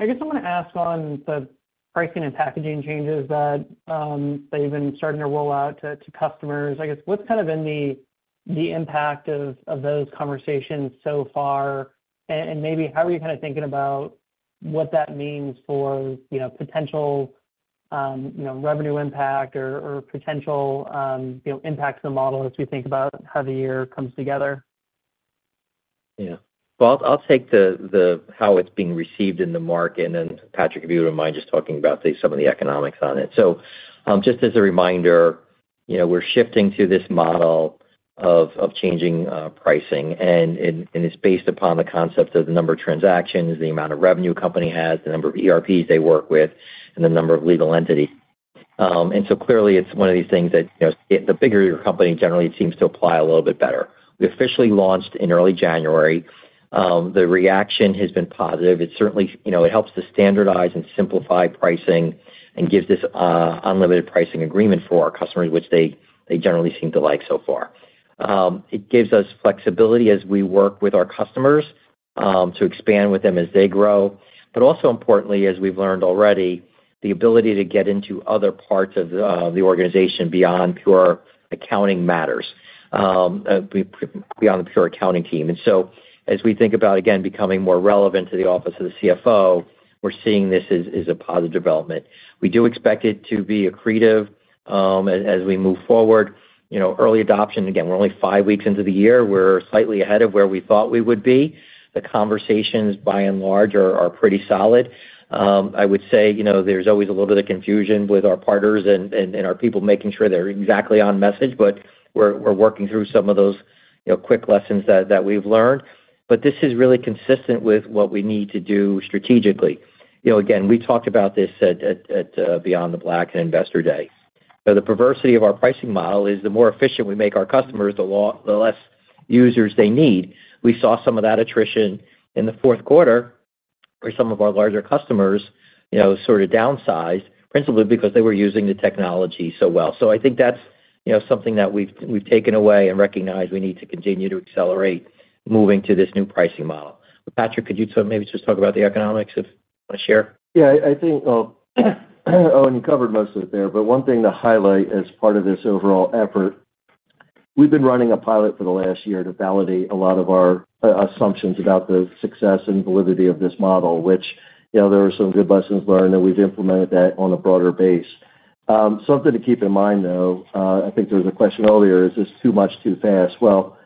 Speaker 9: guess I want to ask on the pricing and packaging changes that they've been starting to roll out to customers. I guess what's kind of been the impact of those conversations so far? And maybe how are you kind of thinking about what that means for potential revenue impact or potential impact to the model as we think about how the year comes together?
Speaker 2: Yeah. I'll take how it's being received in the market, and Patrick, if you wouldn't mind just talking about, say, some of the economics on it, so just as a reminder, we're shifting to this model of changing pricing, and it's based upon the concept of the number of transactions, the amount of revenue a company has, the number of ERPs they work with, and the number of legal entities, and so clearly, it's one of these things that the bigger your company generally seems to apply a little bit better. We officially launched in early January. The reaction has been positive. It certainly helps to standardize and simplify pricing and gives us unlimited pricing agreement for our customers, which they generally seem to like so far. It gives us flexibility as we work with our customers to expand with them as they grow. But also importantly, as we've learned already, the ability to get into other parts of the organization beyond pure accounting matters, beyond the pure accounting team, and so as we think about, again, becoming more relevant to the Office of the CFO, we're seeing this as a positive development. We do expect it to be accretive as we move forward. Early adoption, again, we're only five weeks into the year. We're slightly ahead of where we thought we would be. The conversations, by and large, are pretty solid. I would say there's always a little bit of confusion with our partners and our people making sure they're exactly on message, but we're working through some of those quick lessons that we've learned. But this is really consistent with what we need to do strategically. Again, we talked about this at BeyondTheBlack and Investor Day. The perversity of our pricing model is the more efficient we make our customers, the less users they need. We saw some of that attrition in the fourth quarter where some of our larger customers sort of downsized, principally because they were using the technology so well. So I think that's something that we've taken away and recognize we need to continue to accelerate moving to this new pricing model. Patrick, could you maybe just talk about the economics of share?
Speaker 4: Yeah. I think Owen covered most of it there. But one thing to highlight as part of this overall effort, we've been running a pilot for the last year to validate a lot of our assumptions about the success and validity of this model, which there are some good lessons learned, and we've implemented that on a broader base. Something to keep in mind, though, I think there was a question earlier, is this too much too fast? Well,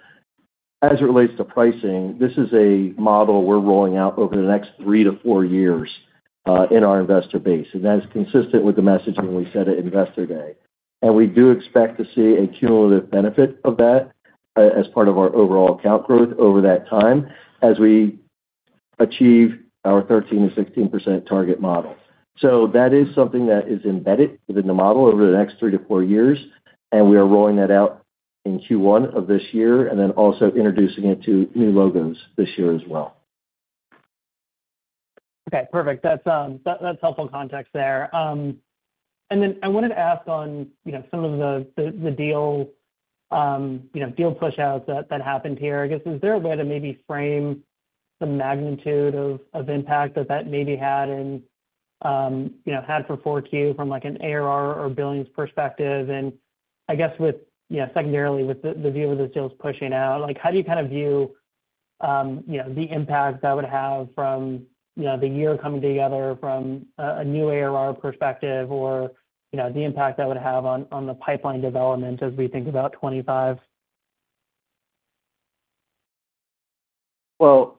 Speaker 4: as it relates to pricing, this is a model we're rolling out over the next three to four years in our investor base. And that is consistent with the messaging we said at Investor Day. And we do expect to see a cumulative benefit of that as part of our overall account growth over that time as we achieve our 13%-16% target model. So that is something that is embedded within the model over the next three to four years. And we are rolling that out in Q1 of this year and then also introducing it to new logos this year as well.
Speaker 9: Okay. Perfect. That's helpful context there. And then I wanted to ask on some of the deal push-outs that happened here. I guess, is there a way to maybe frame the magnitude of impact that that maybe had for Q4 from an ARR or billings perspective? And I guess secondarily, with the view of the sales pushing out, how do you kind of view the impact that would have from the year coming together from a new ARR perspective or the impact that would have on the pipeline development as we think about 2025?
Speaker 2: Well,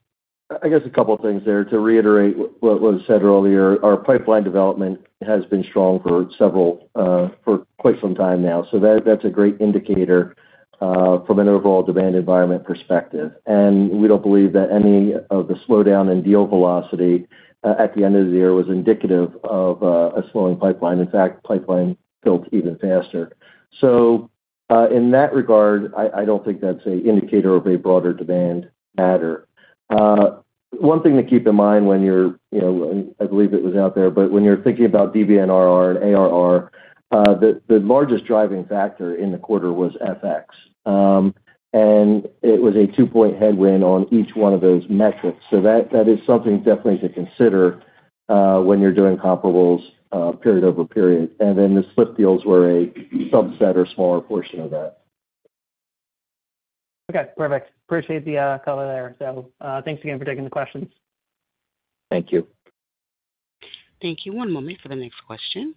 Speaker 2: I guess a couple of things there to reiterate what was said earlier. Our pipeline development has been strong for quite some time now. So that's a great indicator from an overall demand environment perspective. And we don't believe that any of the slowdown in deal velocity at the end of the year was indicative of a slowing pipeline. In fact, pipeline built even faster. So in that regard, I don't think that's an indicator of a broader demand matter. One thing to keep in mind when you're, I believe it was out there, but when you're thinking about DBNRR and ARR, the largest driving factor in the quarter was FX. And it was a two-point headwind on each one of those metrics. So that is something definitely to consider when you're doing comparables period over period. And then the split deals were a subset or smaller portion of that.
Speaker 9: Okay. Perfect. Appreciate the color there. So thanks again for taking the questions.
Speaker 2: Thank you.
Speaker 5: Thank you. One moment for the next question.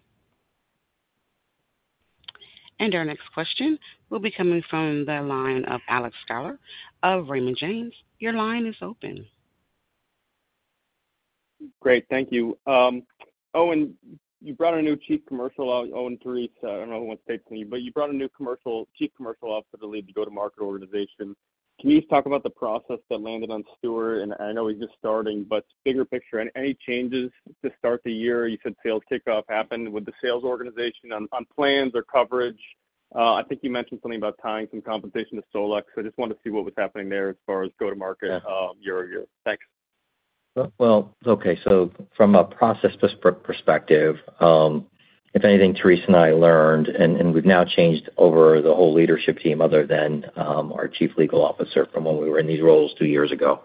Speaker 5: And our next question will be coming from the line of Alec Haesler of Raymond James. Your line is open. Great.
Speaker 10: Thank you. Owen, you brought a new chief commercial, Owen, Therese, I don't know who wants to take the lead, but you brought a new Chief Commercial Officer to lead the go-to-market organization. Can you talk about the process that landed on Stuart? And I know he's just starting, but bigger picture, any changes to start the year? You said sales kickoff happened with the sales organization on plans or coverage. I think you mentioned something about tying some compensation to SolEx. So I just wanted to see what was happening there as far as go-to-market year over year. Thanks.
Speaker 2: Okay. So from a process perspective, if anything, Therese and I learned, and we've now changed over the whole leadership team other than our Chief Legal Officer from when we were in these roles two years ago.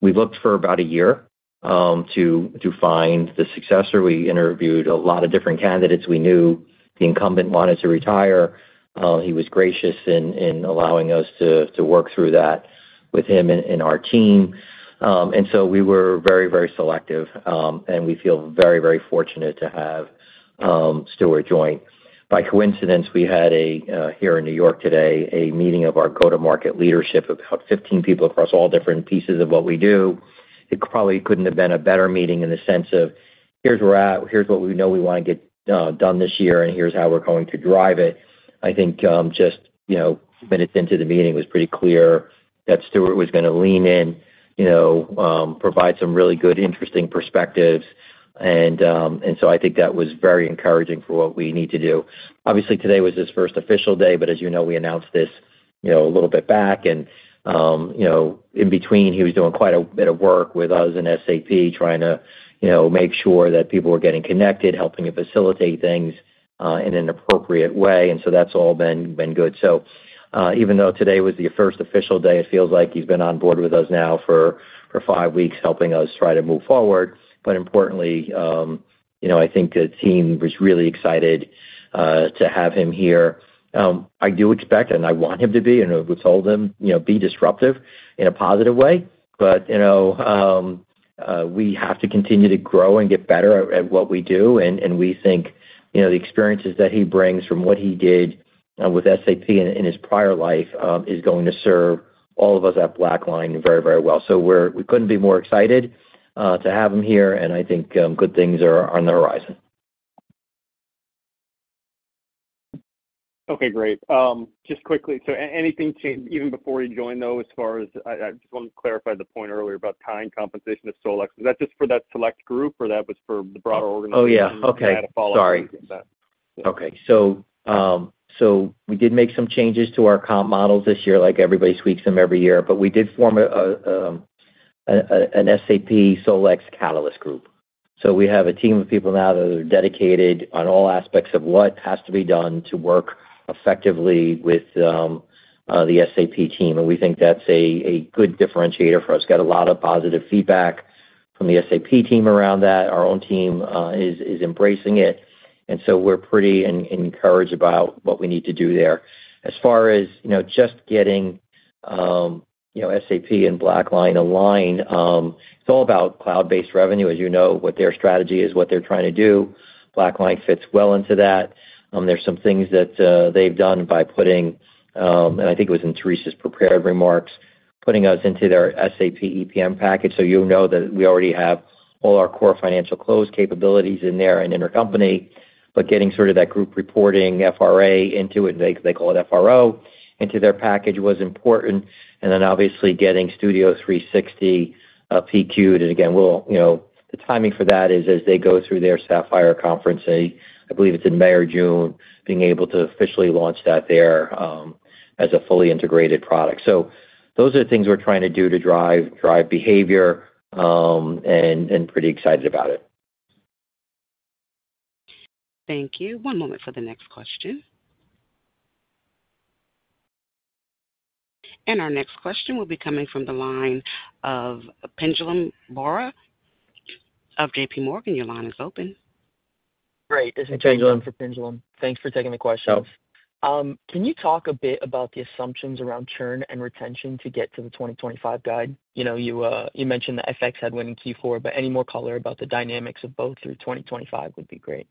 Speaker 2: We've looked for about a year to find the successor. We interviewed a lot of different candidates. We knew the incumbent wanted to retire. He was gracious in allowing us to work through that with him and our team. And so we were very, very selective. And we feel very, very fortunate to have Stuart join. By coincidence, we had here in New York today a meeting of our go-to-market leadership of 15 people across all different pieces of what we do. It probably couldn't have been a better meeting in the sense of, "Here's where we're at. Here's what we know we want to get done this year. And here's how we're going to drive it." I think just minutes into the meeting was pretty clear that Stuart was going to lean in, provide some really good, interesting perspectives. And so I think that was very encouraging for what we need to do. Obviously, today was his first official day, but as you know, we announced this a little bit back, and in between, he was doing quite a bit of work with us and SAP trying to make sure that people were getting connected, helping to facilitate things in an appropriate way, and so that's all been good, so even though today was the first official day, it feels like he's been on board with us now for five weeks helping us try to move forward, but importantly, I think the team was really excited to have him here. I do expect, and I want him to be, and we've told them, be disruptive in a positive way, but we have to continue to grow and get better at what we do. We think the experiences that he brings from what he did with SAP in his prior life is going to serve all of us at BlackLine very, very well. So we couldn't be more excited to have him here. And I think good things are on the horizon.
Speaker 10: Okay. Great. Just quickly, so anything changed even before he joined, though, as far as I just wanted to clarify the point earlier about tying compensation to SolEx. Was that just for that select group, or that was for the broader organization?
Speaker 2: Oh, yeah. Okay. Sorry. Okay. So we did make some changes to our comp models this year. Everybody tweaks them every year. But we did form an SAP SolEx Catalyst group. So we have a team of people now that are dedicated on all aspects of what has to be done to work effectively with the SAP team. And we think that's a good differentiator for us. Got a lot of positive feedback from the SAP team around that. Our own team is embracing it. And so we're pretty encouraged about what we need to do there. As far as just getting SAP and BlackLine aligned, it's all about cloud-based revenue, as you know, what their strategy is, what they're trying to do. BlackLine fits well into that. There's some things that they've done by putting, and I think it was in Therese's prepared remarks, putting us into their SAP EPM package. So you'll know that we already have all our core financial close capabilities in there and intercompany. But getting sort of that group reporting FRA into it, they call it FRO, into their package was important. And then obviously getting Studio360 PQ. And again, the timing for that is as they go through their Sapphire conference. I believe it's in May or June, being able to officially launch that there as a fully integrated product. So those are the things we're trying to do to drive behavior and pretty excited about it.
Speaker 5: Thank you. One moment for the next question. And our next question will be coming from the line of Pinjalim Bora of J.P. Morgan. Your line is open.
Speaker 11: Great. This is Pinjalim
Speaker 2: Pinjalim.
Speaker 11: Thanks for taking the question. Can you talk a bit about the assumptions around churn and retention to get to the 2025 guide? You mentioned the FX headwind in Q4, but any more color about the dynamics of both through 2025 would be great.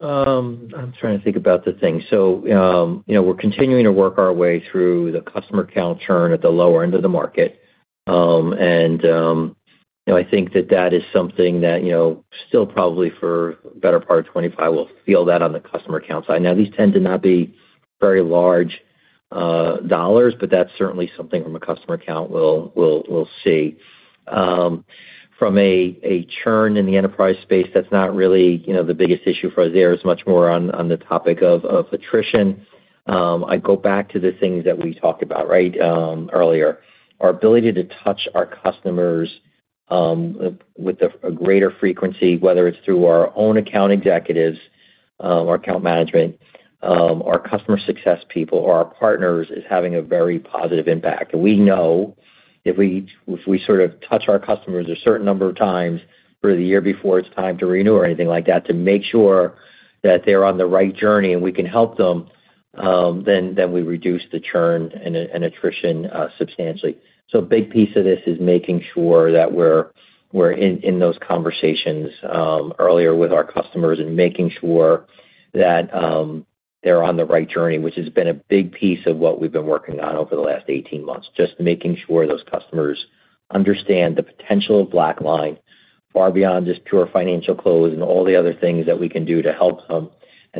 Speaker 2: I'm trying to think about the thing. So we're continuing to work our way through the customer account churn at the lower end of the market. I think that that is something that still probably for the better part of 2025, we'll feel that on the customer account side. Now, these tend to not be very large dollars, but that's certainly something from a customer account we'll see. From a churn in the enterprise space, that's not really the biggest issue for us. There is much more on the topic of attrition. I go back to the things that we talked about, right, earlier. Our ability to touch our customers with a greater frequency, whether it's through our own account executives, our account management, our customer success people, or our partners, is having a very positive impact. We know if we sort of touch our customers a certain number of times for the year before it's time to renew or anything like that to make sure that they're on the right journey and we can help them, then we reduce the churn and attrition substantially. A big piece of this is making sure that we're in those conversations earlier with our customers and making sure that they're on the right journey, which has been a big piece of what we've been working on over the last 18 months. Just making sure those customers understand the potential of BlackLine, far beyond just pure financial close and all the other things that we can do to help them.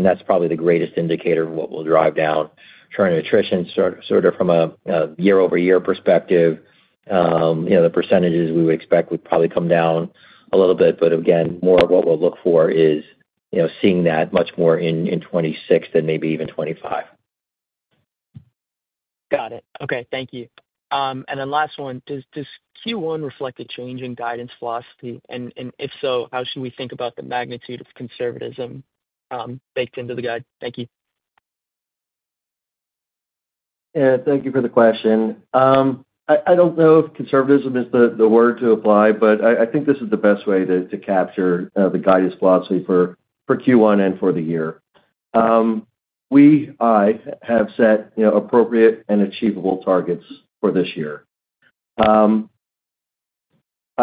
Speaker 2: That's probably the greatest indicator of what we'll drive down. Churn and attrition, sort of from a year-over-year perspective, the percentages we would expect would probably come down a little bit. But again, more of what we'll look for is seeing that much more in 2026 than maybe even 2025.
Speaker 11: Got it. Okay. Thank you. And then last one, does Q1 reflect a change in guidance philosophy? And if so, how should we think about the magnitude of conservatism baked into the guide? Thank you.
Speaker 4: Yeah. Thank you for the question. I don't know if conservatism is the word to apply, but I think this is the best way to capture the guidance philosophy for Q1 and for the year. We have set appropriate and achievable targets for this year. I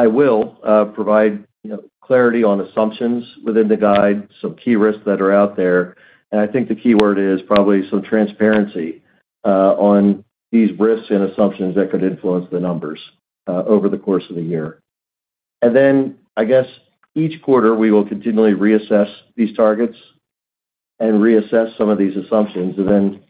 Speaker 4: will provide clarity on assumptions within the guide, some key risks that are out there. I think the key word is probably some transparency on these risks and assumptions that could influence the numbers over the course of the year. Then I guess each quarter, we will continually reassess these targets and reassess some of these assumptions, and then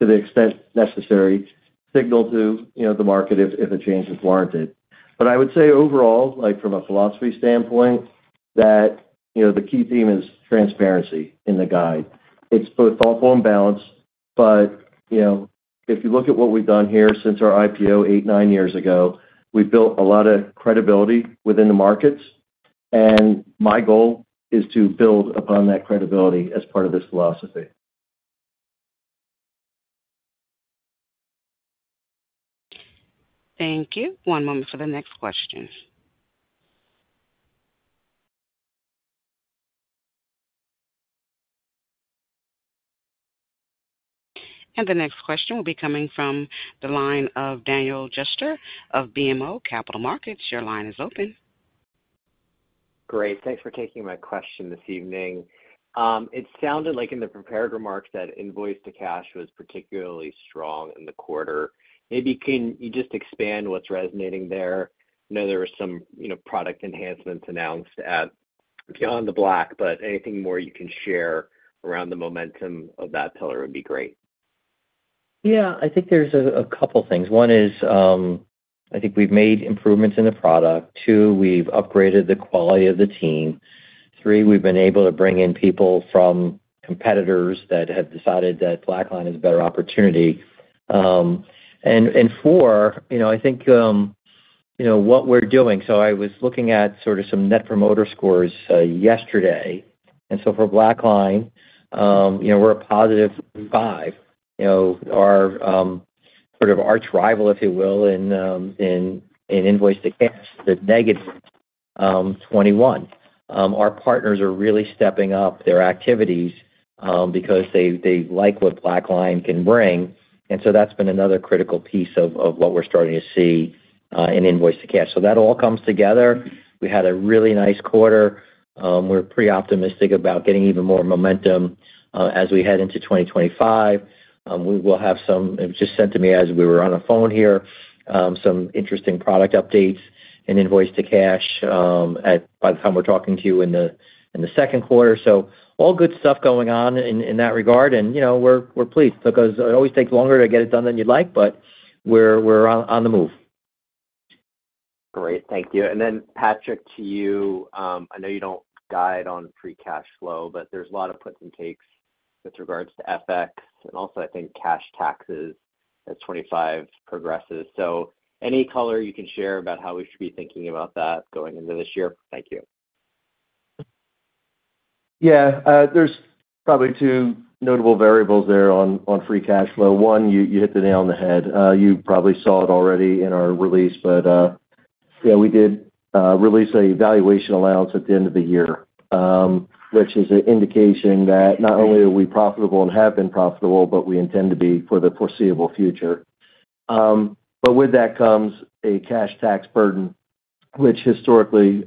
Speaker 4: to the extent necessary, signal to the market if a change is warranted. I would say overall, from a philosophy standpoint, that the key theme is transparency in the guide. It's both thoughtful and balanced. If you look at what we've done here since our IPO eight, nine years ago, we've built a lot of credibility within the markets. My goal is to build upon that credibility as part of this philosophy.
Speaker 5: Thank you. One moment for the next question. The next question will be coming from the line of Daniel Jester of BMO Capital Markets. Your line is open.
Speaker 12: Great. Thanks for taking my question this evening. It sounded like in the prepared remarks that Invoice-to-Cash was particularly strong in the quarter. Maybe can you just expand what's resonating there? I know there were some product enhancements announced at BeyondTheBlack, but anything more you can share around the momentum of that pillar would be great.
Speaker 2: Yeah. I think there's a couple of things. One is I think we've made improvements in the product. Two, we've upgraded the quality of the team. Three, we've been able to bring in people from competitors that have decided that BlackLine is a better opportunity. And four, I think what we're doing. So I was looking at sort of some Net Promoter Scores yesterday. And so for BlackLine, we're a positive five. Our sort of arch rival, if you will, in Invoice-to-Cash, the negative 21. Our partners are really stepping up their activities because they like what BlackLine can bring. And so that's been another critical piece of what we're starting to see in Invoice-to-Cash. So that all comes together. We had a really nice quarter. We're pretty optimistic about getting even more momentum as we head into 2025. We will have some (it was just sent to me as we were on the phone here) some interesting product updates in Invoice-to-Cash by the time we're talking to you in the second quarter. So all good stuff going on in that regard. And we're pleased because it always takes longer to get it done than you'd like, but we're on the move.
Speaker 12: Great. Thank you. And then, Patrick, to you. I know you don't guide on free cash flow, but there's a lot of puts and takes with regards to FX and also, I think, cash taxes as 2025 progresses. So any color you can share about how we should be thinking about that going into this year? Thank you.
Speaker 4: Yeah. There's probably two notable variables there on free cash flow. One, you hit the nail on the head. You probably saw it already in our release, but yeah, we did release a valuation allowance at the end of the year, which is an indication that not only are we profitable and have been profitable, but we intend to be for the foreseeable future. But with that comes a cash tax burden, which historically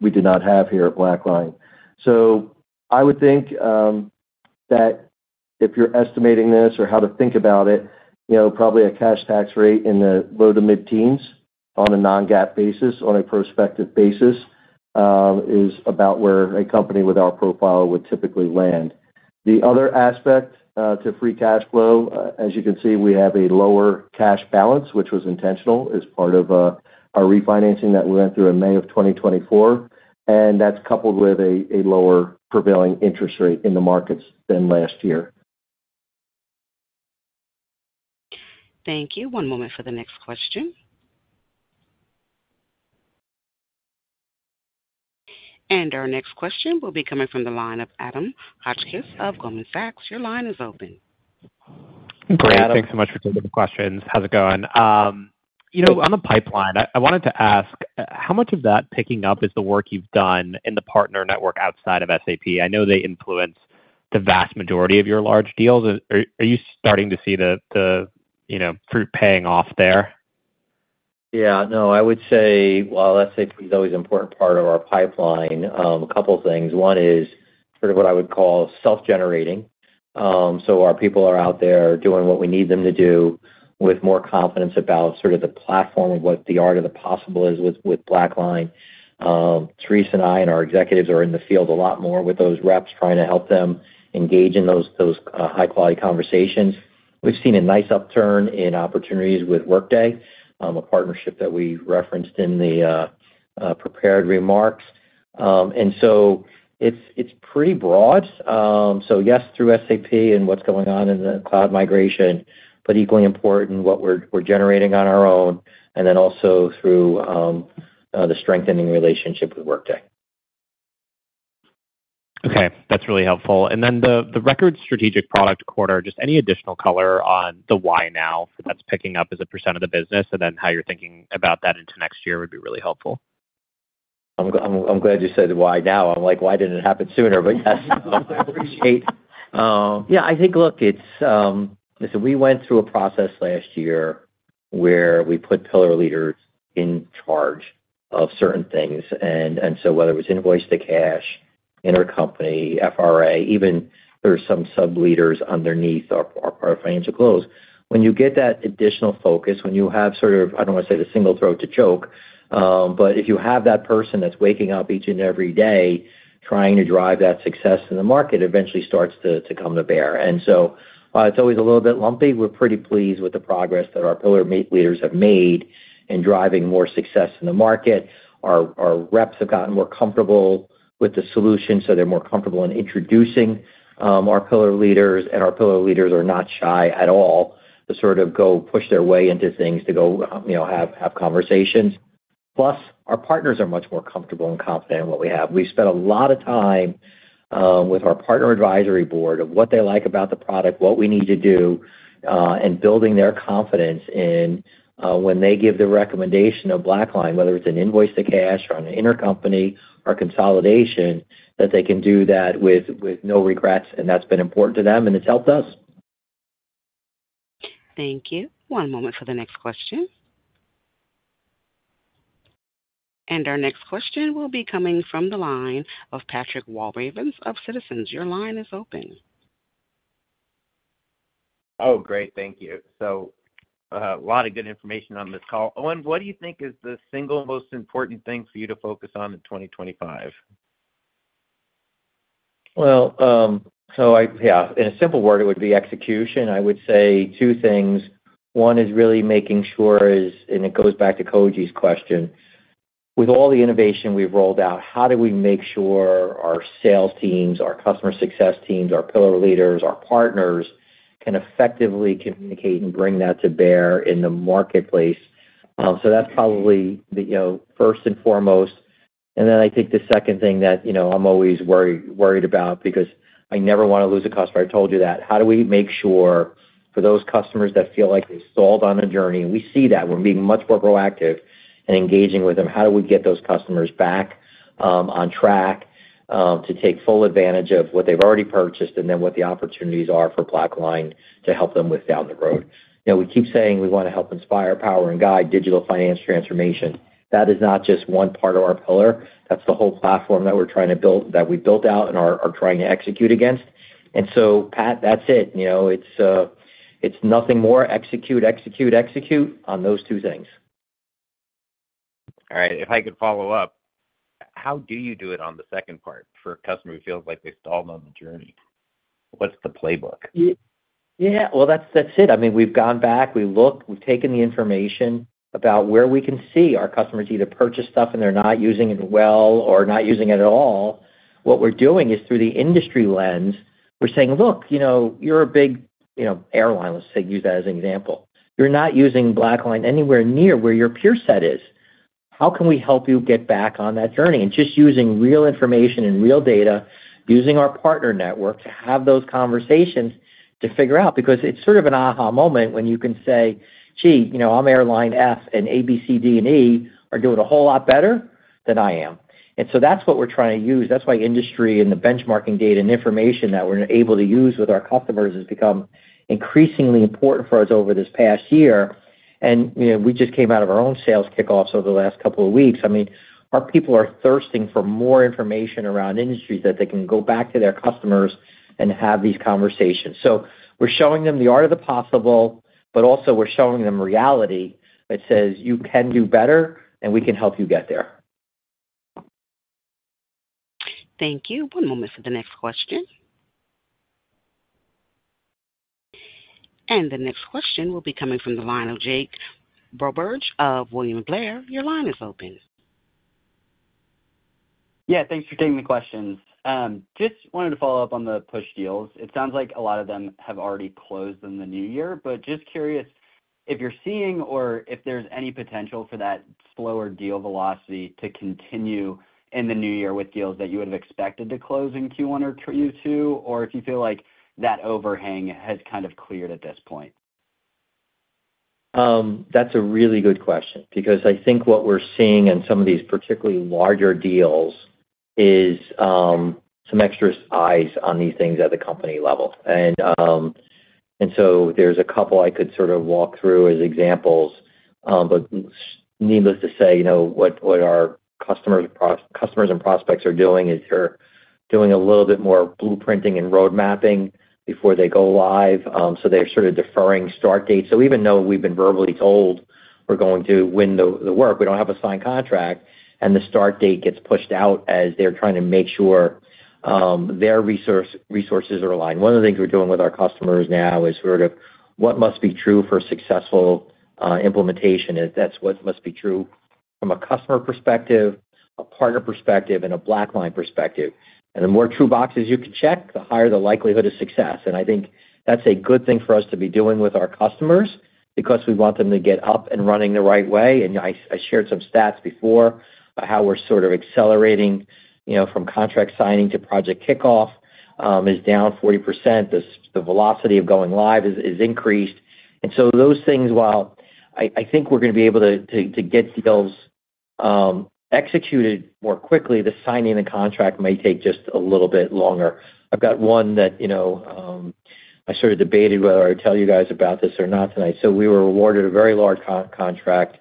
Speaker 4: we did not have here at BlackLine. So I would think that if you're estimating this or how to think about it, probably a cash tax rate in the low-to-mid-teens on a non-GAAP basis, on a prospective basis, is about where a company with our profile would typically land. The other aspect to free cash flow, as you can see, we have a lower cash balance, which was intentional as part of our refinancing that we went through in May of 2024. And that's coupled with a lower prevailing interest rate in the markets than last year.
Speaker 5: Thank you. One moment for the next question. And our next question will be coming from the line of Adam Hotchkiss of Goldman Sachs. Your line is open. Great.
Speaker 13: Thanks so much for taking the questions. How's it going? On the pipeline, I wanted to ask, how much of that picking up is the work you've done in the partner network outside of SAP? I know they influence the vast majority of your large deals. Are you starting to see the fruit paying off there?
Speaker 2: Yeah. No, I would say, while SAP is always an important part of our pipeline, a couple of things. One is sort of what I would call self-generating. So our people are out there doing what we need them to do with more confidence about sort of the platform of what the art of the possible is with BlackLine. Therese and I and our executives are in the field a lot more with those reps trying to help them engage in those high-quality conversations. We've seen a nice upturn in opportunities with Workday, a partnership that we referenced in the prepared remarks. So it's pretty broad. So yes, through SAP and what's going on in the cloud migration, but equally important what we're generating on our own, and then also through the strengthening relationship with Workday.
Speaker 13: Okay. That's really helpful. Then the record strategic product quarter, just any additional color on the why now that's picking up as a percent of the business and then how you're thinking about that into next year would be really helpful. I'm glad you said why now. I'm like, "Why didn't it happen sooner?" Yes, I appreciate.
Speaker 2: Yeah. I think, look, we went through a process last year where we put pillar leaders in charge of certain things. So whether it was Invoice-to-Cash, intercompany FRA, even there are some sub-leaders underneath our financial close. When you get that additional focus, when you have sort of—I don't want to say the single throat to choke—but if you have that person that's waking up each and every day trying to drive that success in the market, it eventually starts to come to bear. And so it's always a little bit lumpy. We're pretty pleased with the progress that our pillar leaders have made in driving more success in the market. Our reps have gotten more comfortable with the solution, so they're more comfortable in introducing our pillar leaders. And our pillar leaders are not shy at all to sort of go push their way into things to go have conversations. Plus, our partners are much more comfortable and confident in what we have. We've spent a lot of time with our Partner Advisory Board on what they like about the product, what we need to do, and building their confidence in when they give the recommendation of BlackLine, whether it's an Invoice-to-Cash or an intercompany or consolidation, that they can do that with no regrets. And that's been important to them, and it's helped us.
Speaker 5: Thank you. One moment for the next question. Our next question will be coming from the line of Patrick Walravens of Citizens. Your line is open.
Speaker 14: Oh, great. Thank you. So a lot of good information on this call. Owen, what do you think is the single most important thing for you to focus on in 2025?
Speaker 2: Well, so yeah, in a simple word, it would be execution. I would say two things. One is really making sure, and it goes back to Koji's question. With all the innovation we've rolled out, how do we make sure our sales teams, our customer success teams, our pillar leaders, our partners can effectively communicate and bring that to bear in the marketplace? So that's probably first and foremost. And then I think the second thing that I'm always worried about because I never want to lose a customer. I told you that. How do we make sure for those customers that feel like they've stalled on a journey? We see that. We're being much more proactive and engaging with them. How do we get those customers back on track to take full advantage of what they've already purchased and then what the opportunities are for BlackLine to help them with down the road? We keep saying we want to help inspire, power, and guide digital finance transformation. That is not just one part of our pillar. That's the whole platform that we're trying to build, that we built out and are trying to execute against. And so, Pat, that's it. It's nothing more execute, execute, execute on those two things.
Speaker 14: All right. If I could follow up, how do you do it on the second part for a customer who feels like they've stalled on the journey? What's the playbook?
Speaker 2: Yeah. Well, that's it. I mean, we've gone back. We look. We've taken the information about where we can see our customers either purchase stuff and they're not using it well or not using it at all. What we're doing is through the industry lens, we're saying, "Look, you're a big airline," let's say, use that as an example. "You're not using BlackLine anywhere near where your peer set is. How can we help you get back on that journey?" And just using real information and real data, using our partner network to have those conversations to figure out because it's sort of an aha moment when you can say, "Gee, I'm airline F, and A, B, C, D, and E are doing a whole lot better than I am." And so that's what we're trying to use. That's why industry and the benchmarking data and information that we're able to use with our customers has become increasingly important for us over this past year. And we just came out of our own sales kickoffs over the last couple of weeks. I mean, our people are thirsting for more information around industries that they can go back to their customers and have these conversations. So we're showing them the art of the possible, but also we're showing them reality that says, "You can do better, and we can help you get there."
Speaker 5: Thank you. One moment for the next question. And the next question will be coming from the line of Jake Roberge of William Blair. Your line is open.
Speaker 15: Yeah. Thanks for taking the questions. Just wanted to follow up on the push deals. It sounds like a lot of them have already closed in the new year, but just curious if you're seeing or if there's any potential for that slower deal velocity to continue in the new year with deals that you would have expected to close in Q1 or Q2, or if you feel like that overhang has kind of cleared at this point.
Speaker 2: That's a really good question because I think what we're seeing in some of these particularly larger deals is some extra eyes on these things at the company level. And so there's a couple I could sort of walk through as examples, but needless to say, what our customers and prospects are doing is they're doing a little bit more blueprinting and roadmapping before they go live. So they're sort of deferring start dates. So even though we've been verbally told we're going to win the work, we don't have a signed contract, and the start date gets pushed out as they're trying to make sure their resources are aligned. One of the things we're doing with our customers now is sort of what must be true for successful implementation. That's what must be true from a customer perspective, a partner perspective, and a BlackLine perspective. And the more true boxes you can check, the higher the likelihood of success. And I think that's a good thing for us to be doing with our customers because we want them to get up and running the right way. And I shared some stats before about how we're sort of accelerating from contract signing to project kickoff is down 40%. The velocity of going live is increased. And so those things, while I think we're going to be able to get deals executed more quickly, the signing of the contract may take just a little bit longer. I've got one that I sort of debated whether I would tell you guys about this or not tonight. So we were awarded a very large contract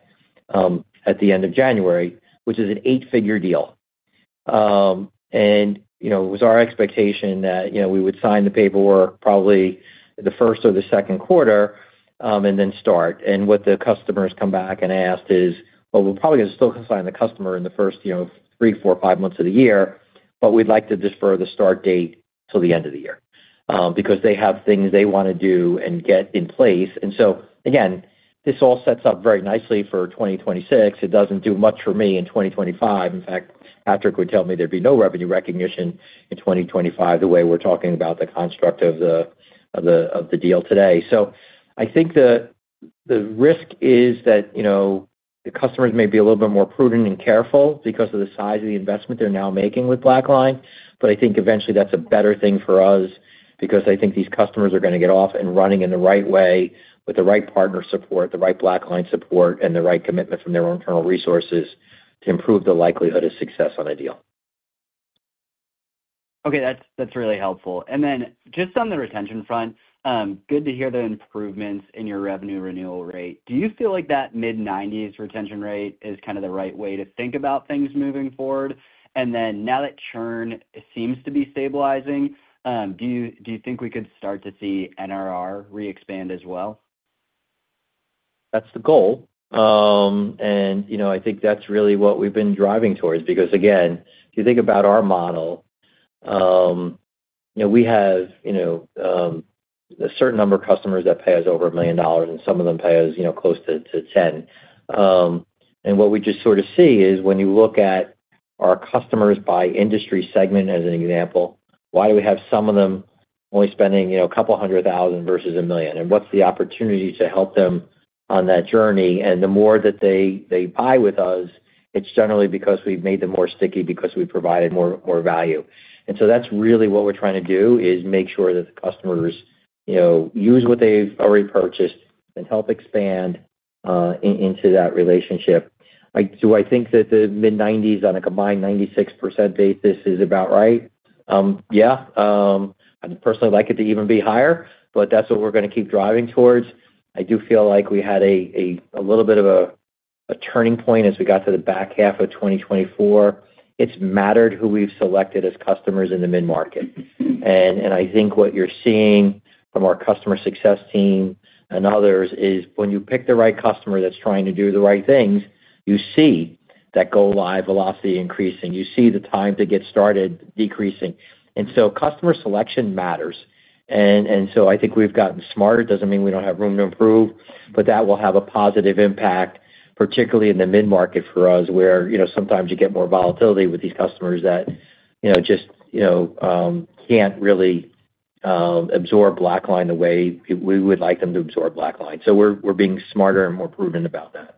Speaker 2: at the end of January, which is an eight-figure deal. It was our expectation that we would sign the paperwork probably the first or the second quarter and then start. What the customers come back and ask is, "Well, we're probably going to still sign the customer in the first three, four, five months of the year, but we'd like to defer the start date till the end of the year because they have things they want to do and get in place." So, again, this all sets up very nicely for 2026. It doesn't do much for me in 2025. In fact, Patrick would tell me there'd be no revenue recognition in 2025 the way we're talking about the construct of the deal today. I think the risk is that the customers may be a little bit more prudent and careful because of the size of the investment they're now making with BlackLine. But I think eventually that's a better thing for us because I think these customers are going to get off and running in the right way with the right partner support, the right BlackLine support, and the right commitment from their own internal resources to improve the likelihood of success on a deal.
Speaker 15: Okay. That's really helpful, and then just on the retention front, good to hear the improvements in your revenue renewal rate. Do you feel like that mid-90s retention rate is kind of the right way to think about things moving forward, and then now that churn seems to be stabilizing, do you think we could start to see NRR re-expand as well?
Speaker 2: That's the goal. I think that's really what we've been driving towards because, again, if you think about our model, we have a certain number of customers that pay us over $1 million, and some of them pay us close to $10 million. And what we just sort of see is when you look at our customers by industry segment, as an example, why do we have some of them only spending a couple hundred thousand versus $1 million? And what's the opportunity to help them on that journey? And the more that they buy with us, it's generally because we've made them more sticky because we've provided more value. And so that's really what we're trying to do is make sure that the customers use what they've already purchased and help expand into that relationship. Do I think that the mid-90s on a combined 96% basis is about right? Yeah. I'd personally like it to even be higher, but that's what we're going to keep driving towards. I do feel like we had a little bit of a turning point as we got to the back half of 2024. It's mattered who we've selected as customers in the mid-market. And I think what you're seeing from our customer success team and others is when you pick the right customer that's trying to do the right things, you see that go-live velocity increasing. You see the time to get started decreasing. And so customer selection matters. And so I think we've gotten smarter. It doesn't mean we don't have room to improve, but that will have a positive impact, particularly in the mid-market for us, where sometimes you get more volatility with these customers that just can't really absorb BlackLine the way we would like them to absorb BlackLine. So we're being smarter and more prudent about that.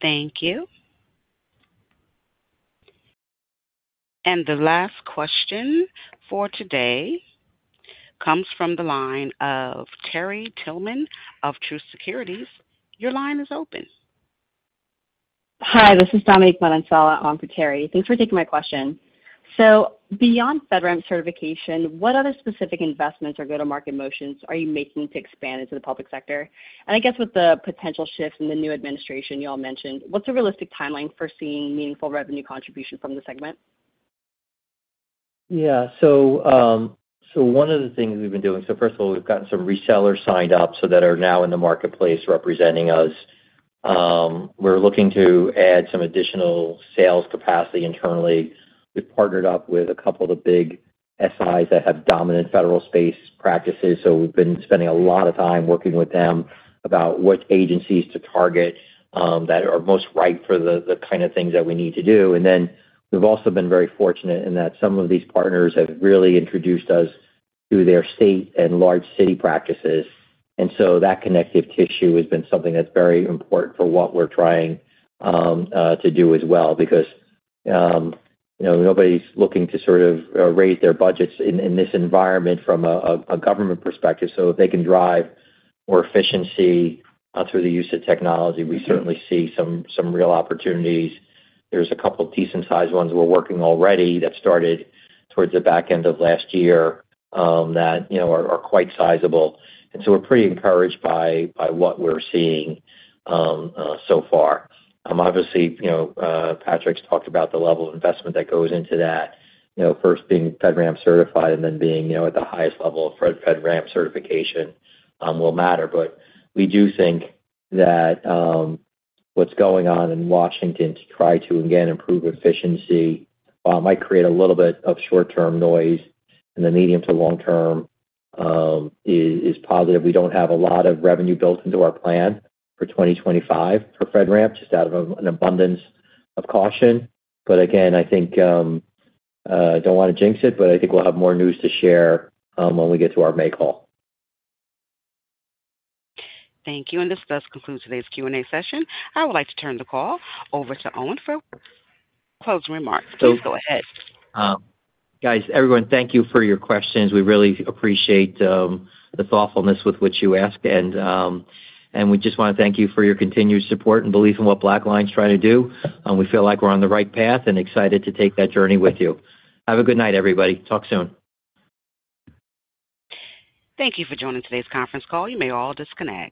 Speaker 5: Thank you. And the last question for today comes from the line of Terry Tillman of Truist Securities. Your line is open.
Speaker 16: Hi. This is Dominique Manansala, on for Terry. Thanks for taking my question. So beyond FedRAMP certification, what other specific investments or go-to-market motions are you making to expand into the public sector? And I guess with the potential shifts in the new administration you all mentioned, what's a realistic timeline for seeing meaningful revenue contribution from the segment?
Speaker 2: Yeah. So one of the things we've been doing, so first of all, we've gotten some resellers signed up that are now in the marketplace representing us. We're looking to add some additional sales capacity internally. We've partnered up with a couple of the big SIs that have dominant federal space practices. So we've been spending a lot of time working with them about which agencies to target that are most right for the kind of things that we need to do. And then we've also been very fortunate in that some of these partners have really introduced us to their state and large city practices. And so that connective tissue has been something that's very important for what we're trying to do as well because nobody's looking to sort of raise their budgets in this environment from a government perspective. So if they can drive more efficiency through the use of technology, we certainly see some real opportunities. There's a couple of decent-sized ones we're working already that started towards the back end of last year that are quite sizable. And so we're pretty encouraged by what we're seeing so far. Obviously, Patrick's talked about the level of investment that goes into that, first being FedRAMP certified and then being at the highest level of FedRAMP certification will matter. But we do think that what's going on in Washington to try to, again, improve efficiency might create a little bit of short-term noise, and the medium to long-term is positive. We don't have a lot of revenue built into our plan for 2025 for FedRAMP just out of an abundance of caution. But again, I think—I don't want to jinx it, but I think we'll have more news to share when we get to our May call.
Speaker 5: Thank you. And this does conclude today's Q&A session. I would like to turn the call over to Owen for closing remarks. Please go ahead.
Speaker 2: Guys, everyone, thank you for your questions. We really appreciate the thoughtfulness with which you asked. And we just want to thank you for your continued support and belief in what BlackLine's trying to do. We feel like we're on the right path and excited to take that journey with you. Have a good night, everybody. Talk soon. Thank you for joining today's conference call. You may all disconnect.